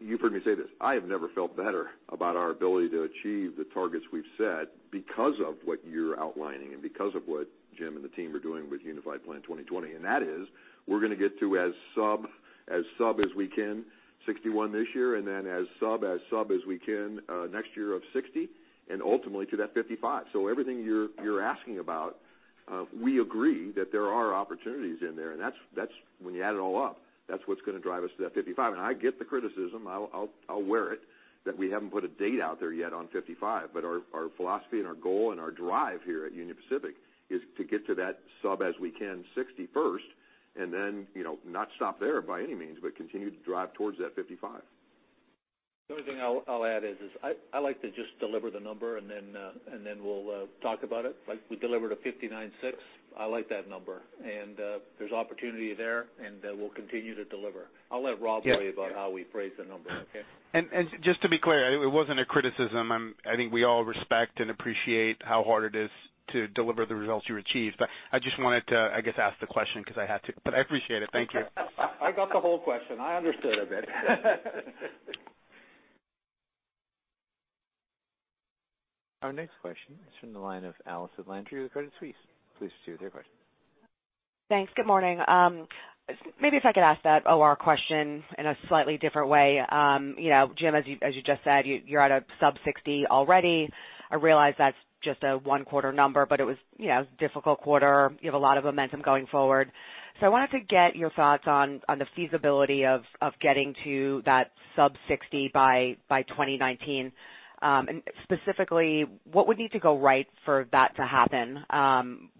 you've heard me say this. I have never felt better about our ability to achieve the targets we've set because of what you're outlining and because of what Jim and the team are doing with Unified Plan 2020, and that is we're going to get to as sub as sub as we can 61% this year and then as sub as sub as we can next year of 60% and ultimately to that 55%. Everything you're asking about, we agree that there are opportunities in there, and when you add it all up, that's what's going to drive us to that 55%. I get the criticism, I'll wear it, that we haven't put a date out there yet on 55%. Our philosophy and our goal and our drive here at Union Pacific is to get to that sub as we can 60% first Not stop there by any means, but continue to drive towards that 55%. The only thing I'll add is, I like to just deliver the number and then we'll talk about it. Like we delivered a 59, 6. I like that number. There's opportunity there, and we'll continue to deliver. I'll let Rob tell you about how we phrase the number, okay? Just to be clear, it wasn't a criticism. I think we all respect and appreciate how hard it is to deliver the results you achieved. I just wanted to, I guess, ask the question because I had to. I appreciate it. Thank you. I got the whole question. I understood it. Our next question is from the line of Allison Landry with Credit Suisse. Please proceed with your question. Thanks. Good morning. Maybe if I could ask that OR question in a slightly different way. Jim, as you just said, you're at a sub 60% already. I realize that's just a one-quarter number, but it was a difficult quarter. You have a lot of momentum going forward. I wanted to get your thoughts on the feasibility of getting to that sub 60% by 2019. Specifically, what would need to go right for that to happen?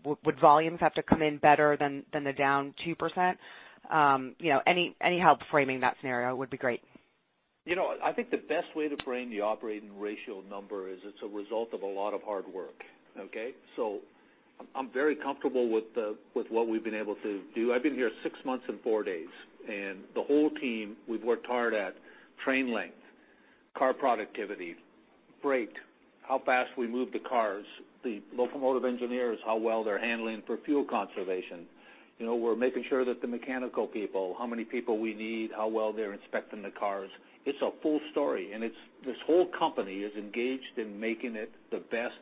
Would volumes have to come in better than the down 2%? Any help framing that scenario would be great. I think the best way to frame the operating ratio number is it's a result of a lot of hard work, okay. I'm very comfortable with what we've been able to do. I've been here six months and four days. The whole team, we've worked hard at train length, car productivity, freight, how fast we move the cars, the locomotive engineers, how well they're handling for fuel conservation. We're making sure that the mechanical people, how many people we need, how well they're inspecting the cars. It's a full story. This whole company is engaged in making it the best,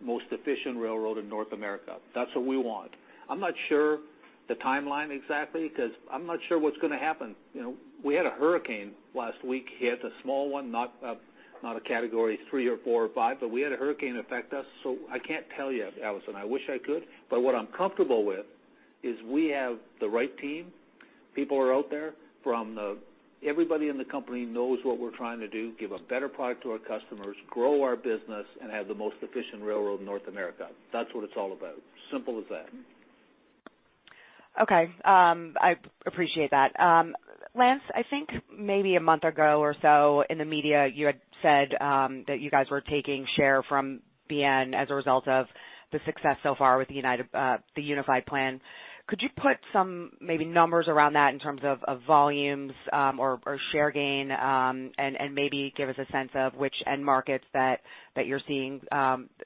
most efficient railroad in North America. That's what we want. I'm not sure the timeline exactly, because I'm not sure what's going to happen. We had a Hurricane last week hit, a small one, not a category three or four or five. We had a hurricane affect us. I can't tell you, Allison. I wish I could. What I'm comfortable with is we have the right team. People are out there. Everybody in the company knows what we're trying to do, give a better product to our customers, grow our business, and have the most efficient railroad in North America. That's what it's all about. Simple as that. Okay. I appreciate that. Lance, I think maybe a month ago or so in the media, you had said that you guys were taking share from BNSF as a result of the success so far with the Unified Plan. Could you put some, maybe numbers around that in terms of volumes or share gain and maybe give us a sense of which end markets that you're seeing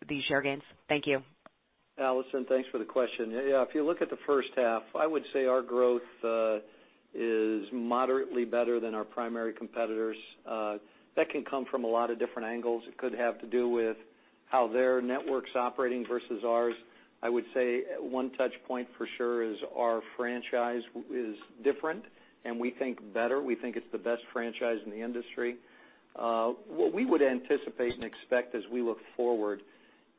these share gains? Thank you. Allison, thanks for the question. If you look at the first half, I would say our growth is moderately better than our primary competitors. That can come from a lot of different angles. It could have to do with how their network's operating versus ours. I would say one touch point for sure is our franchise is different and we think better. We think it's the best franchise in the industry. What we would anticipate and expect as we look forward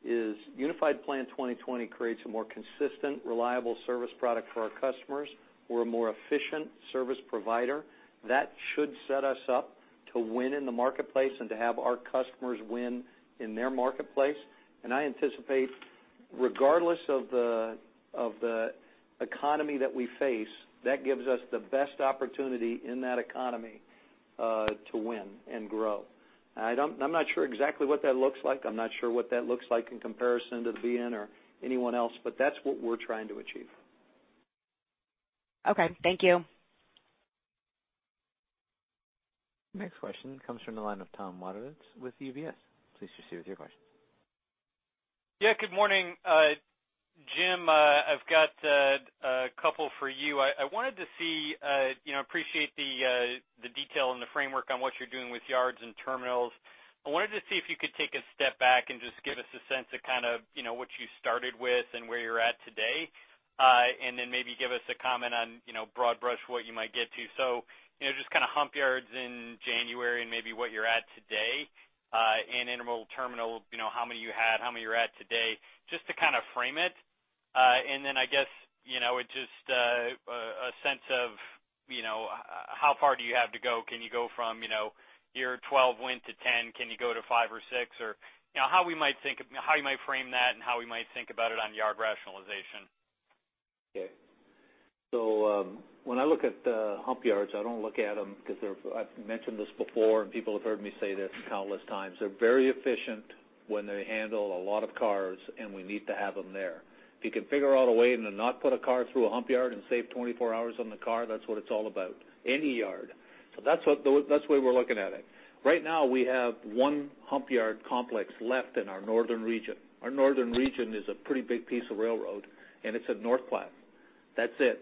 is Unified Plan 2020 creates a more consistent, reliable service product for our customers. We're a more efficient service provider. That should set us up to win in the marketplace and to have our customers win in their marketplace. I anticipate, regardless of the economy that we face, that gives us the best opportunity in that economy to win and grow. I'm not sure exactly what that looks like. I'm not sure what that looks like in comparison to BNSF or anyone else, but that's what we're trying to achieve. Okay. Thank you. Next question comes from the line of Tom Wadewitz with UBS. Please proceed with your questions. Yeah, good morning. Jim, I've got a couple for you. I wanted to see, appreciate the detail and the framework on what you're doing with yards and terminals. I wanted to see if you could take a step back and just give us a sense of what you started with and where you're at today, then maybe give us a comment on broad brush, what you might get to. Just hump yards in January and maybe what you're at today, and intermodal terminal, how many you had, how many you're at today, just to frame it. Then I guess, just a sense of how far do you have to go? Can you go from your 12% went to 10%, can you go to 5% or 6%, or how you might frame that and how we might think about it on yard rationalization? Okay. When I look at the hump yards, I don't look at them because I've mentioned this before, and people have heard me say this countless times, they're very efficient when they handle a lot of cars, and we need to have them there. If you can figure out a way to not put a car through a hump yard and save 24 hours on the car, that's what it's all about. Any yard. That's the way we're looking at it. Right now, we have one hump yard complex left in our northern region. Our northern region is a pretty big piece of railroad, and it's at North Platte. That's it.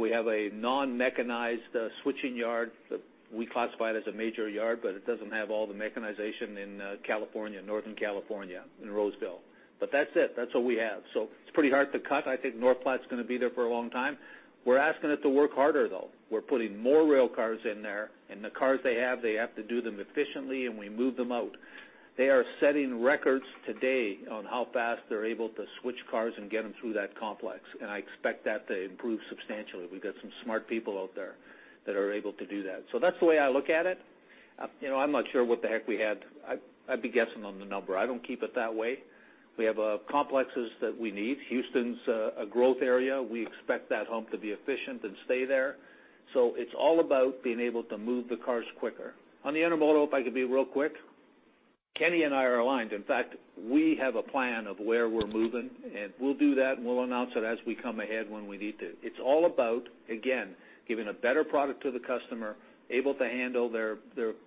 We have a non-mechanized switching yard that we classify it as a major yard, but it doesn't have all the mechanization in Northern California, in Roseville. That's it. That's what we have. It's pretty hard to cut. I think North Platte's going to be there for a long time. We're asking it to work harder, though. We're putting more rail cars in there, and the cars they have, they have to do them efficiently, and we move them out. They are setting records today on how fast they're able to switch cars and get them through that complex, and I expect that to improve substantially. We've got some smart people out there that are able to do that. That's the way I look at it. I'm not sure what the heck we had. I'd be guessing on the number. I don't keep it that way. We have complexes that we need. Houston's a growth area. We expect that hump to be efficient and stay there. It's all about being able to move the cars quicker. On the intermodal, if I could be real quick, Kenny and I are aligned. In fact, we have a plan of where we're moving, and we'll do that, and we'll announce it as we come ahead when we need to. It's all about, again, giving a better product to the customer, able to handle their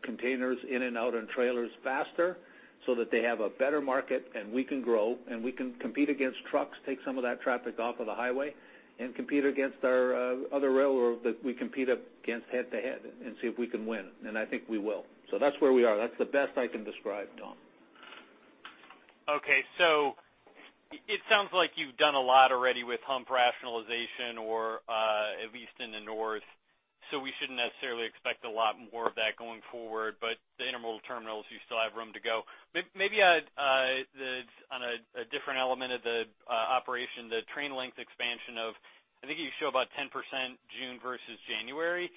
containers in and out on trailers faster so that they have a better market and we can grow, and we can compete against trucks, take some of that traffic off of the highway and compete against our other railroad that we compete against head-to-head and see if we can win. I think we will. That's where we are. That's the best I can describe, Tom. Okay. It sounds like you've done a lot already with hump rationalization, or at least in the north. We shouldn't necessarily expect a lot more of that going forward. The intermodal terminals, you still have room to go. Maybe on a different element of the operation, the train length expansion of, I think you show about 10% June versus January,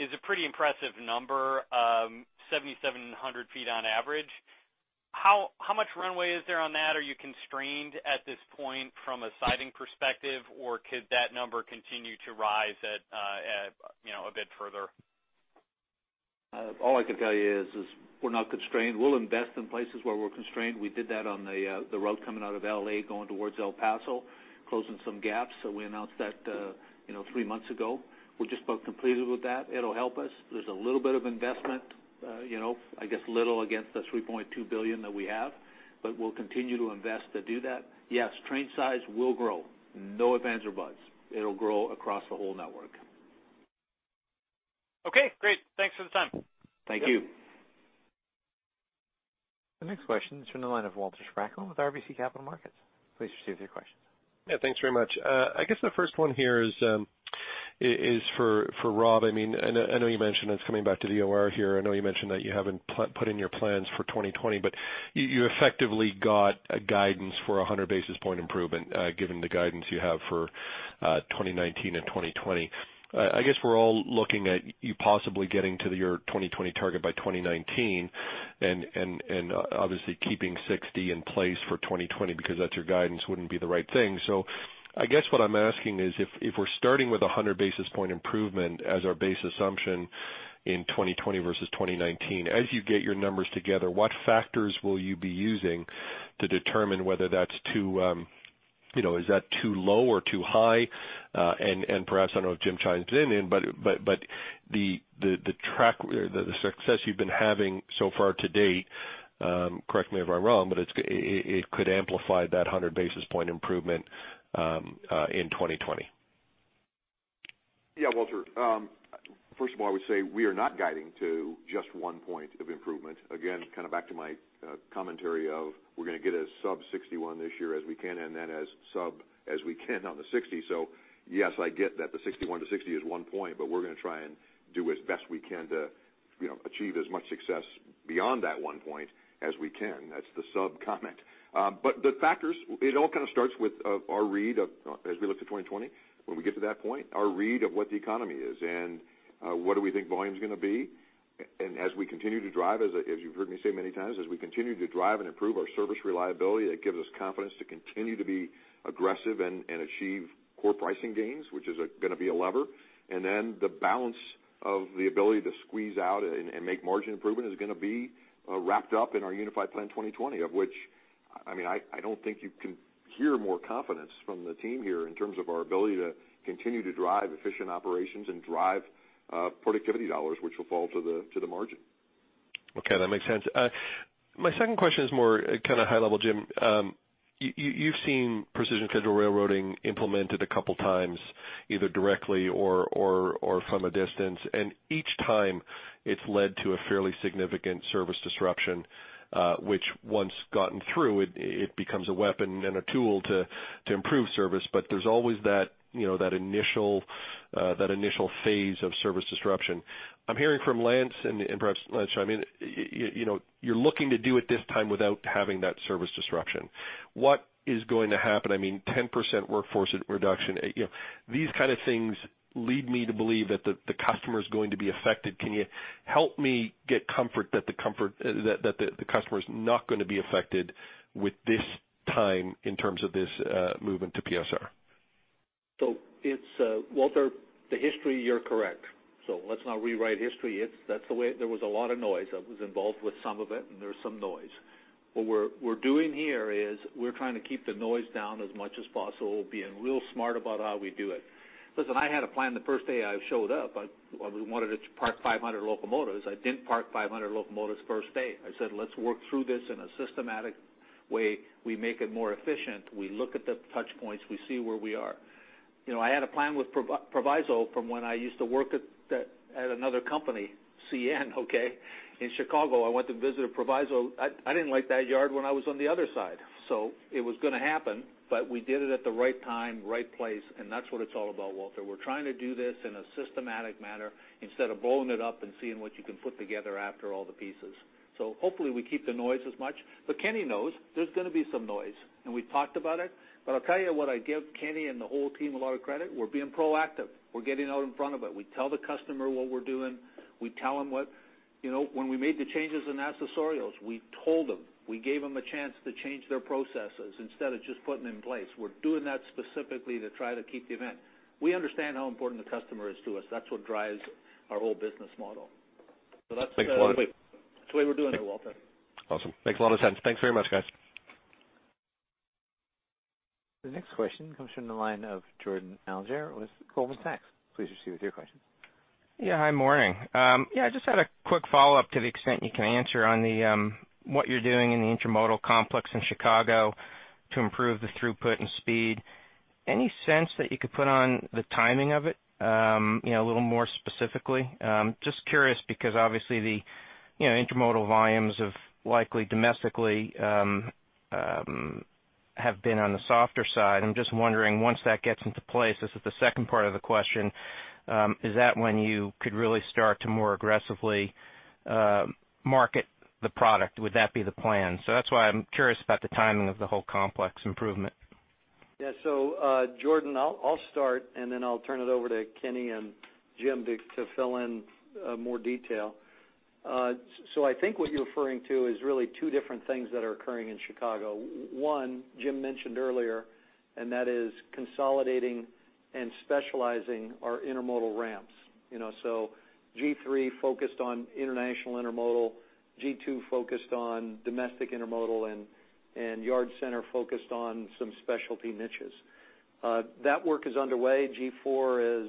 is a pretty impressive number, 7,700 ft on average. How much runway is there on that? Are you constrained at this point from a siding perspective, or could that number continue to rise a bit further? All I can tell you is we're not constrained. We'll invest in places where we're constrained. We did that on the route coming out of LA going towards El Paso, closing some gaps. We announced that three months ago. We're just about completed with that. It'll help us. There's a little bit of investment, I guess, little against the $3.2 billion that we have, but we'll continue to invest to do that. Yes, train size will grow. No if, ands, or buts. It'll grow across the whole network. Okay, great. Thanks for the time. Thank you. The next question is from the line of Walter Spracklin with RBC Capital Markets. Please proceed with your question. Thanks very much. I guess the first one here is for Rob. I know you mentioned it's coming back to the OR here. I know you mentioned that you haven't put in your plans for 2020, but you effectively got a guidance for 100 basis point improvement, given the guidance you have for 2019 and 2020. I guess we're all looking at you possibly getting to your 2020 target by 2019 and obviously keeping 60% in place for 2020 because that's your guidance wouldn't be the right thing. I guess what I'm asking is, if we're starting with 100 basis point improvement as our base assumption in 2020 versus 2019, as you get your numbers together, what factors will you be using to determine whether is that too low or too high? Perhaps, I don't know if Jim chimes in, but the success you've been having so far to date, correct me if I'm wrong, but it could amplify that 100 basis point improvement in 2020. Yeah, Walter. First of all, I would say we are not guiding to just one point of improvement. Again, back to my commentary of we're going to get a sub 61% this year as we can, and then as sub as we can on the 60%. Yes, I get that the 61% to 60% is one point, but we're going to try and do as best we can to achieve as much success beyond that one point as we can. That's the sub comment. The factors, it all starts with our read of, as we look to 2020, when we get to that point, our read of what the economy is and what do we think volume is going to be. As we continue to drive, as you've heard me say many times, as we continue to drive and improve our service reliability, that gives us confidence to continue to be aggressive and achieve core pricing gains, which is going to be a lever. Then the balance of the ability to squeeze out and make margin improvement is going to be wrapped up in our Unified Plan 2020, of which I don't think you can hear more confidence from the team here in terms of our ability to continue to drive efficient operations and drive productivity dollars, which will fall to the margin. Okay, that makes sense. My second question is more high level, Jim. You've seen Precision Scheduled Railroading implemented a couple of times, either directly or from a distance, and each time it's led to a fairly significant service disruption, which once gotten through, it becomes a weapon and a tool to improve service. There's always that initial phase of service disruption. I'm hearing from Lance, perhaps Lance, you're looking to do it this time without having that service disruption. What is going to happen? 10% workforce reduction. These kind of things lead me to believe that the customer is going to be affected. Can you help me get comfort that the customer is not going to be affected with this time in terms of this movement to PSR? Walter, the history, you're correct. Let's not rewrite history. There was a lot of noise. I was involved with some of it, and there was some noise. What we're doing here is we're trying to keep the noise down as much as possible, being real smart about how we do it. Listen, I had a plan the first day I showed up. We wanted to park 500 locomotives. I didn't park 500 locomotives first day. I said, let's work through this in a systematic way. We make it more efficient. We look at the touch points. We see where we are. I had a plan with Proviso from when I used to work at another company, CN, okay, in Chicago. I went to visit a Proviso. I didn't like that yard when I was on the other side. It was going to happen, but we did it at the right time, right place, and that's what it's all about, Walter. We're trying to do this in a systematic manner instead of blowing it up and seeing what you can put together after all the pieces. Hopefully we keep the noise as much. Kenny knows there's going to be some noise, and we've talked about it. I'll tell you what, I give Kenny and the whole team a lot of credit. We're being proactive. We're getting out in front of it. We tell the customer what we're doing. We tell them what When we made the changes in accessorials, we told them. We gave them a chance to change their processes instead of just putting it in place. We're doing that specifically to try to keep the event. We understand how important the customer is to us. That's what drives our whole business model. Thanks a lot. That's the way we're doing it, Walter. Awesome. Makes a lot of sense. Thanks very much, guys. The next question comes from the line of Jordan Alliger with Goldman Sachs. Please proceed with your question. Hi. Morning. Just had a quick follow-up to the extent you can answer on what you're doing in the intermodal complex in Chicago to improve the throughput and speed. Any sense that you could put on the timing of it, a little more specifically? Just curious because obviously, the intermodal volumes likely domestically have been on the softer side. I'm just wondering, once that gets into place, this is the second part of the question, is that when you could really start to more aggressively market the product? Would that be the plan? That's why I'm curious about the timing of the whole complex improvement. Jordan, I'll start, and then I'll turn it over to Kenny and Jim to fill in more detail. I think what you're referring to is really two different things that are occurring in Chicago. One, Jim mentioned earlier, and that is consolidating and specializing our intermodal ramps. G3 focused on international intermodal, G2 focused on domestic intermodal, and Yard Center focused on some specialty niches. That work is underway. G4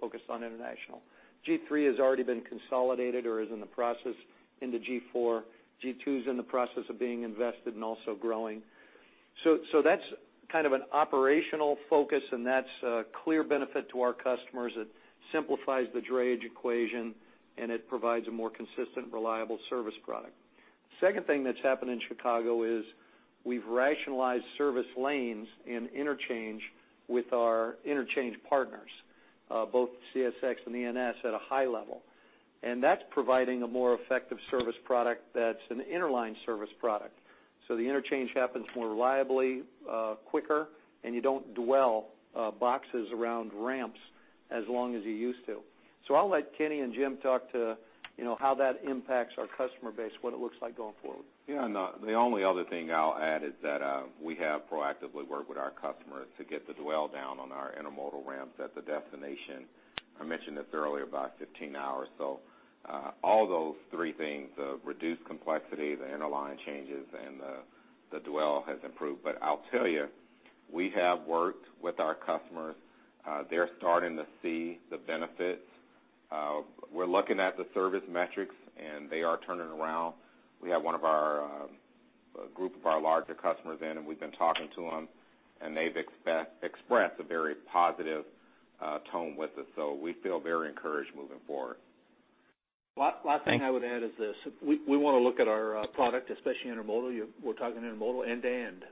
focused on international. G3 has already been consolidated or is in the process into G4. G2's in the process of being invested and also growing. That's kind of an operational focus, and that's a clear benefit to our customers. It simplifies the drayage equation, and it provides a more consistent, reliable service product. Second thing that's happened in Chicago is we've rationalized service lanes and interchange with our interchange partners, both CSX and NS, at a high level. That's providing a more effective service product that's an interline service product. The interchange happens more reliably, quicker, and you don't dwell boxes around ramps as long as you used to. I'll let Kenny and Jim talk to how that impacts our customer base, what it looks like going forward. The only other thing I'll add is that we have proactively worked with our customers to get the dwell down on our intermodal ramps at the destination. I mentioned this earlier, about 15 hours. All those three things, the reduced complexity, the interline changes, and the dwell has improved. I'll tell you, we have worked with our customers. They're starting to see the benefits. We're looking at the service metrics, and they are turning around. We have a group of our larger customers in, and we've been talking to them, and they've expressed a very positive tone with us, we feel very encouraged moving forward. Last thing I would add is this. We want to look at our product, especially intermodal, we're talking intermodal end to end.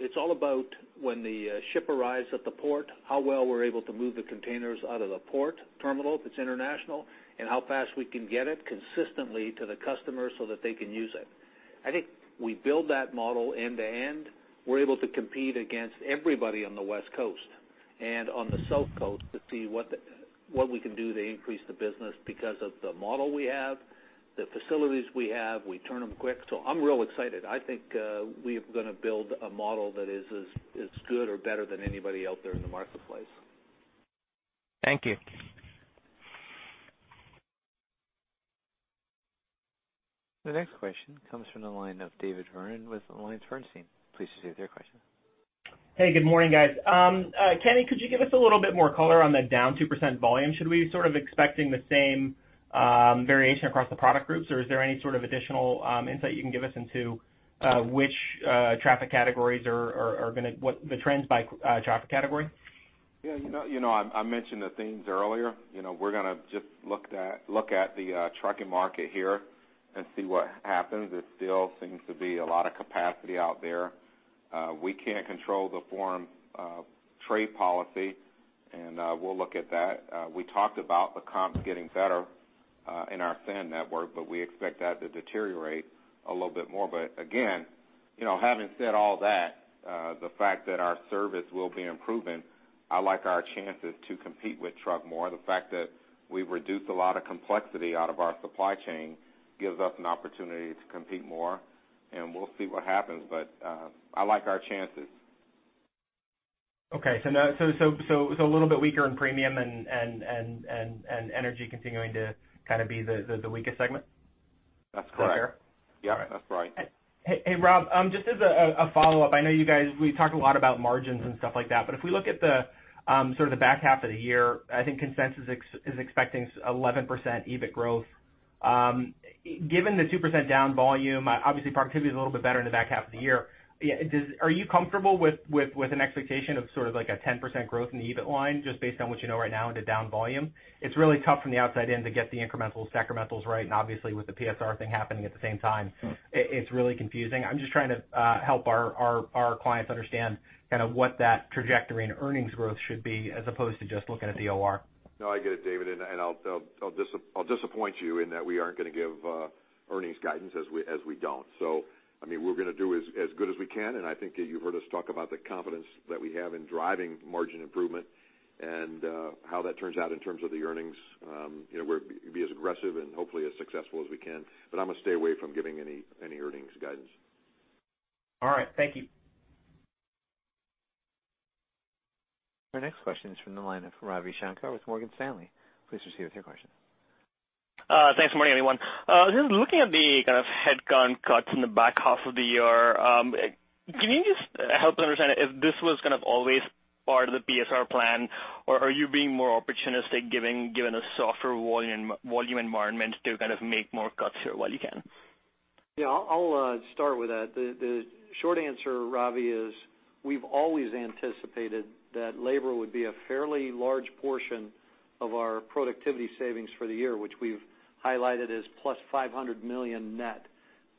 It's all about when the ship arrives at the port, how well we're able to move the containers out of the port terminal, if it's international, and how fast we can get it consistently to the customer so that they can use it. I think we build that model end to end. We're able to compete against everybody on the West Coast and on the South Coast to see what we can do to increase the business because of the model we have, the facilities we have, we turn them quick. I'm real excited. I think we are going to build a model that is as good or better than anybody out there in the marketplace. Thank you. The next question comes from the line of David Vernon with AllianceBernstein. Please proceed with your question. Hey, good morning, guys. Kenny, could you give us a little bit more color on the down 2% volume? Should we be sort of expecting the same variation across the product groups, or is there any sort of additional insight you can give us into which traffic categories, the trends by traffic category? I mentioned the themes earlier. We're going to just look at the trucking market here and see what happens. There still seems to be a lot of capacity out there. We can't control the foreign trade policy, and we'll look at that. We talked about the comps getting better in our sand network, but we expect that to deteriorate a little bit more. Again, having said all that, the fact that our service will be improving, I like our chances to compete with truck more. The fact that we've reduced a lot of complexity out of our supply chain gives us an opportunity to compete more, and we'll see what happens. I like our chances. A little bit weaker in premium and energy continuing to kind of be the weakest segment? That's correct. Is that fair? Yep, that's right. Hey, Rob, just as a follow-up, I know we talked a lot about margins and stuff like that. If we look at the sort of the back half of the year, I think consensus is expecting 11% EBIT growth. Given the 2% down volume, obviously productivity is a little bit better in the back half of the year. Are you comfortable with an expectation of sort of like a 10% growth in the EBIT line, just based on what you know right now into down volume? It's really tough from the outside in to get the incrementals, decrementals right, and obviously with the PSR thing happening at the same time, it's really confusing. I'm just trying to help our clients understand kind of what that trajectory and earnings growth should be as opposed to just looking at DOR. No, I get it, David. I'll disappoint you in that we aren't going to give earnings guidance, as we don't. We're going to do as good as we can. I think you've heard us talk about the confidence that we have in driving margin improvement and how that turns out in terms of the earnings. We'll be as aggressive and hopefully as successful as we can. I'm going to stay away from giving any earnings guidance. All right. Thank you. Our next question is from the line of Ravi Shanker with Morgan Stanley. Please proceed with your question. Thanks. Morning, everyone. Just looking at the kind of headcount cuts in the back half of the year, can you just help understand if this was always part of the PSR plan, or are you being more opportunistic, given a softer volume environment to make more cuts here while you can? Yeah, I'll start with that. The short answer, Ravi, is we've always anticipated that labor would be a fairly large portion of our productivity savings for the year, which we've highlighted as +$500 million net.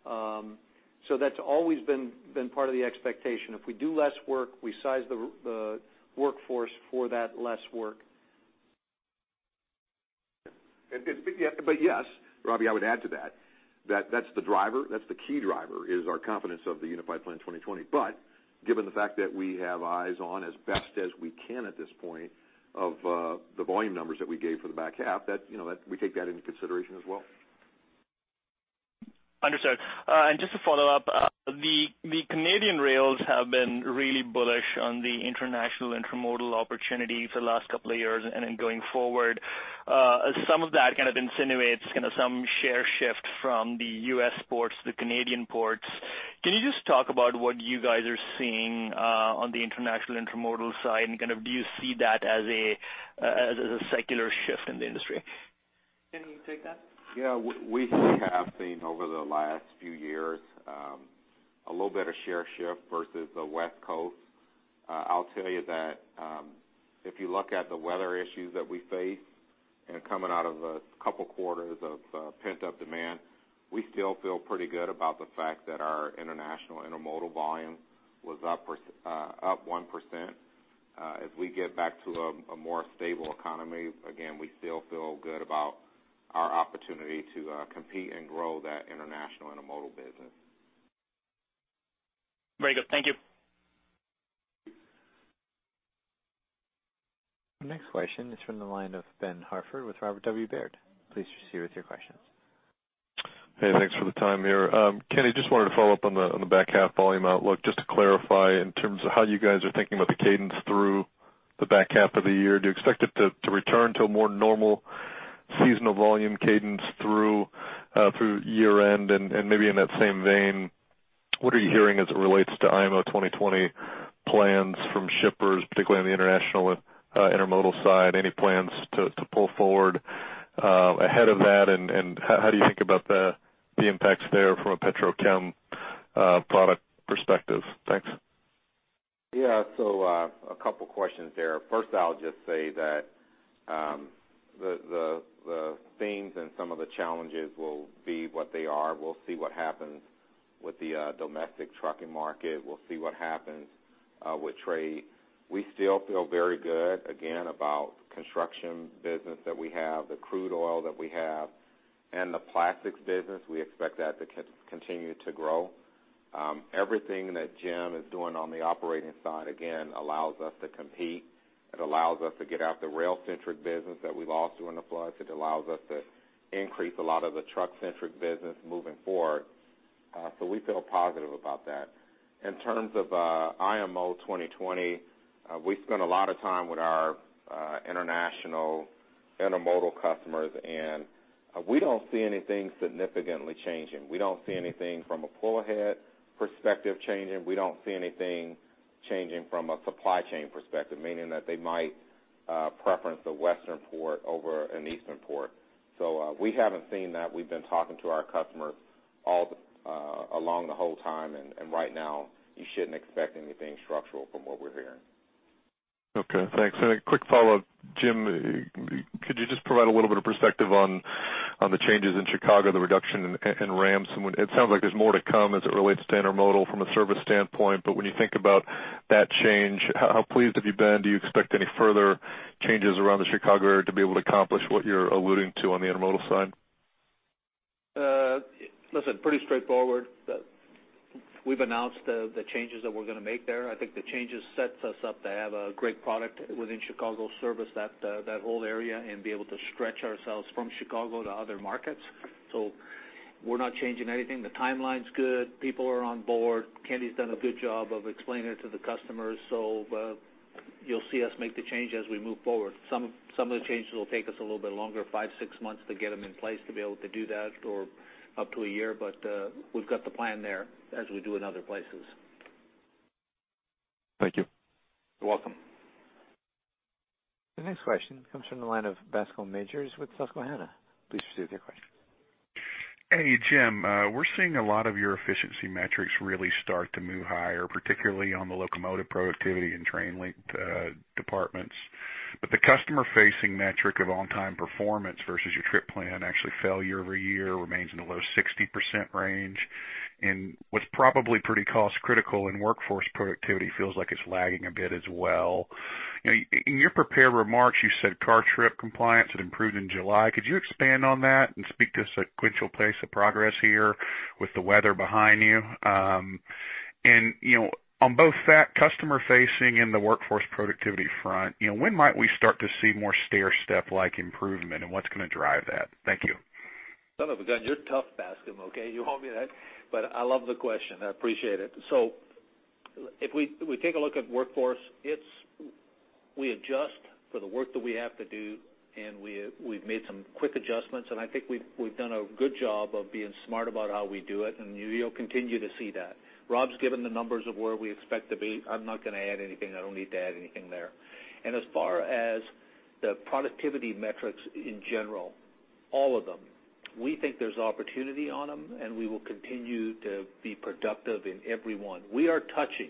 That's always been part of the expectation. If we do less work, we size the workforce for that less work. Yes, Ravi, I would add to that's the driver, that's the key driver, is our confidence of the Unified Plan 2020. Given the fact that we have eyes on as best as we can at this point of the volume numbers that we gave for the back half, we take that into consideration as well. Understood. Just to follow up, the Canadian rails have been really bullish on the international intermodal opportunity for the last couple of years and then going forward. Some of that insinuates some share shift from the U.S. ports to the Canadian ports. Can you just talk about what you guys are seeing on the international intermodal side, and do you see that as a secular shift in the industry? Kenny, you take that? Yeah. We have seen over the last few years, a little bit of share shift versus the West Coast. I'll tell you that, if you look at the weather issues that we faced and coming out of a couple of quarters of pent-up demand, we still feel pretty good about the fact that our international intermodal volume was up 1%. As we get back to a more stable economy, again, we still feel good about our opportunity to compete and grow that international intermodal business. Very good. Thank you. Our next question is from the line of Ben Hartford with Robert W Baird. Please proceed with your question. Hey, thanks for the time here. Kenny, just wanted to follow up on the back half volume outlook, just to clarify in terms of how you guys are thinking about the cadence through the back half of the year. Do you expect it to return to a more normal seasonal volume cadence through year-end? Maybe in that same vein, what are you hearing as it relates to IMO 2020 plans from shippers, particularly on the international intermodal side? Any plans to pull forward ahead of that, and how do you think about the impacts there from a petrochem product perspective? Thanks. Yeah. A couple of questions there. First, I'll just say that the themes and some of the challenges will be what they are. We'll see what happens with the domestic trucking market. We'll see what happens with trade. We still feel very good, again, about construction business that we have, the crude oil that we have, the plastics business, we expect that to continue to grow. Everything that Jim is doing on the operating side, again, allows us to compete. It allows us to get out the rail centric business that we lost during the floods. It allows us to increase a lot of the truck centric business moving forward. We feel positive about that. In terms of IMO 2020, we spent a lot of time with our international intermodal customers, we don't see anything significantly changing. We don't see anything from a pull-ahead perspective changing. We don't see anything changing from a supply chain perspective, meaning that they might preference a western port over an eastern port. We haven't seen that. We've been talking to our customers along the whole time, right now, you shouldn't expect anything structural from what we're hearing. Okay, thanks. A quick follow-up. Jim, could you just provide a little bit of perspective on the changes in Chicago, the reduction in ramps? It sounds like there's more to come as it relates to intermodal from a service standpoint. When you think about that change, how pleased have you been? Do you expect any further changes around the Chicago area to be able to accomplish what you're alluding to on the intermodal side? Listen, pretty straightforward. We've announced the changes that we're going to make there. I think the changes sets us up to have a great product within Chicago service, that whole area, and be able to stretch ourselves from Chicago to other markets. We're not changing anything. The timeline's good. People are on board. Kenny's done a good job of explaining it to the customers. You'll see us make the change as we move forward. Some of the changes will take us a little bit longer, five, six months to get them in place to be able to do that, or up to a year. We've got the plan there as we do in other places. Thank you. You're welcome. The next question comes from the line of Bascome Majors with Susquehanna. Please proceed with your question. Hey, Jim. We're seeing a lot of your efficiency metrics really start to move higher, particularly on the locomotive productivity and train linked departments. But the customer facing metric of on-time performance versus your trip plan actually fell year-over-year, remains in the low 60% range. What's probably pretty cost critical in workforce productivity feels like it's lagging a bit as well. In your prepared remarks, you said car trip compliance had improved in July. Could you expand on that and speak to sequential pace of progress here with the weather behind you? On both customer facing and the workforce productivity front, when might we start to see more stairstep-like improvement and what's going to drive that? Thank you. Son of a gun, you're tough, Bascome, okay? You owe me that. I love the question. I appreciate it. If we take a look at workforce, we adjust for the work that we have to do, and we've made some quick adjustments, and I think we've done a good job of being smart about how we do it, and you'll continue to see that. Rob's given the numbers of where we expect to be. I'm not going to add anything. I don't need to add anything there. As far as the productivity metrics in general, all of them, we think there's opportunity on them, and we will continue to be productive in every one. We are touching.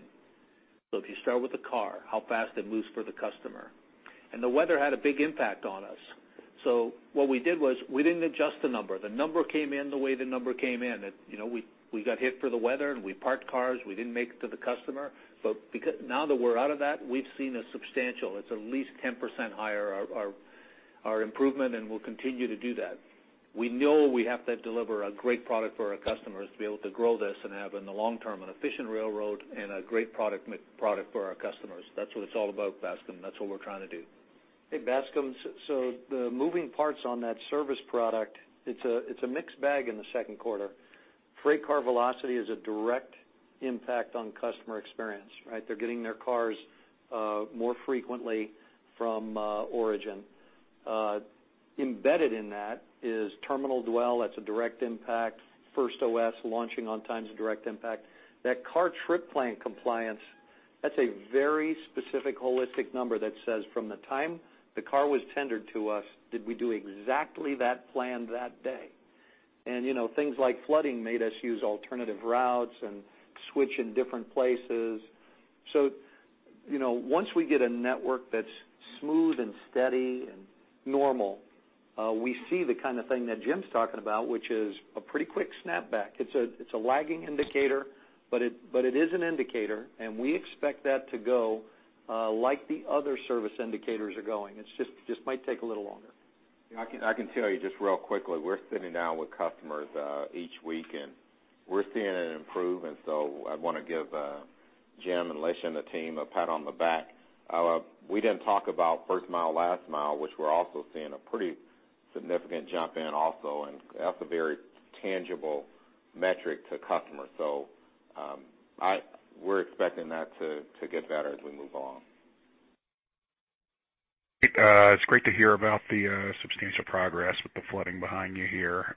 If you start with the car, how fast it moves for the customer. The weather had a big impact on us. What we did was, we didn't adjust the number. The number came in the way the number came in. We got hit for the weather, and we parked cars. We didn't make it to the customer. Now that we're out of that, we've seen a substantial, it's at least 10% higher, our improvement, and we'll continue to do that. We know we have to deliver a great product for our customers to be able to grow this and have, in the long term, an efficient railroad and a great product for our customers. That's what it's all about, Bascome. That's what we're trying to do. Hey, Bascome. The moving parts on that service product, it's a mixed bag in the second quarter. Freight car velocity is a direct impact on customer experience, right? They're getting their cars more frequently from origin. Embedded in that is terminal dwell. That's a direct impact. First OS launching on time is a direct impact. That car trip plan compliance, that's a very specific holistic number that says from the time the car was tendered to us, did we do exactly that plan that day? Things like flooding made us use alternative routes and switch in different places. Once we get a network that's smooth and steady and normal, we see the kind of thing that Jim's talking about, which is a pretty quick snapback. It's a lagging indicator, but it is an indicator, and we expect that to go like the other service indicators are going. It just might take a little longer. I can tell you just real quickly, we're sitting down with customers each week, and we're seeing an improvement. I want to give Jim and Lance and the team a pat on the back. We didn't talk about first mile, last mile, which we're also seeing a pretty significant jump in also, and that's a very tangible metric to customers. We're expecting that to get better as we move along. It's great to hear about the substantial progress with the flooding behind you here.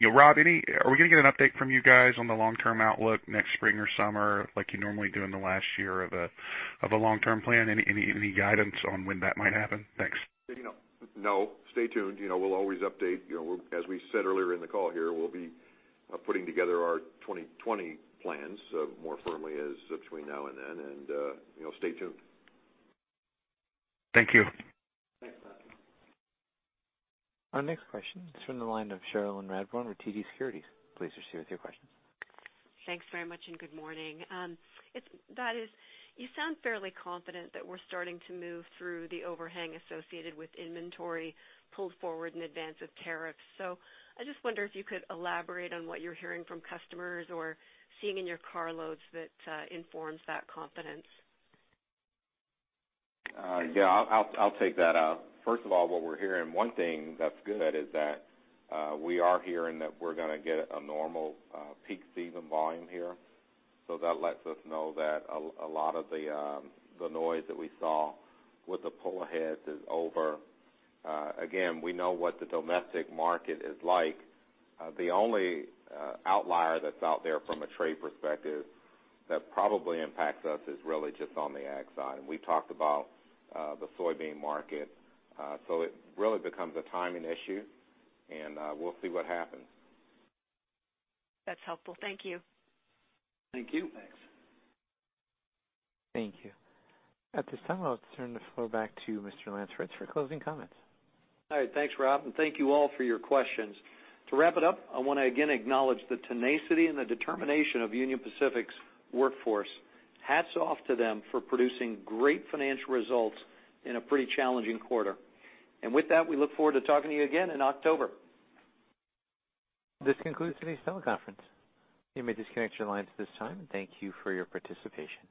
Rob, are we going to get an update from you guys on the long-term outlook next spring or summer like you normally do in the last year of a long-term plan? Any guidance on when that might happen? Thanks. No. Stay tuned. We'll always update. As we said earlier in the call here, we'll be putting together our 2020 plans more firmly between now and then, and stay tuned. Thank you. Our next question is from the line of Cherilyn Radbourne with TD Securities. Please proceed with your question. Thanks very much, and good morning. You sound fairly confident that we're starting to move through the overhang associated with inventory pulled forward in advance of tariffs. I just wonder if you could elaborate on what you're hearing from customers or seeing in your car loads that informs that confidence. Yeah, I'll take that. First of all, what we're hearing, one thing that's good is that we are hearing that we're going to get a normal peak season volume here. That lets us know that a lot of the noise that we saw with the pull ahead is over. Again, we know what the domestic market is like. The only outlier that's out there from a trade perspective that probably impacts us is really just on the ag side, and we talked about the soybean market. It really becomes a timing issue, and we'll see what happens. That's helpful. Thank you. Thank you. Thanks. Thank you. At this time, I'll turn the floor back to Mr. Lance Fritz for closing comments. All right. Thanks, Rob, and thank you all for your questions. To wrap it up, I want to again acknowledge the tenacity and the determination of Union Pacific's workforce. Hats off to them for producing great financial results in a pretty challenging quarter. With that, we look forward to talking to you again in October. This concludes today's teleconference. You may disconnect your lines at this time. Thank you for your participation.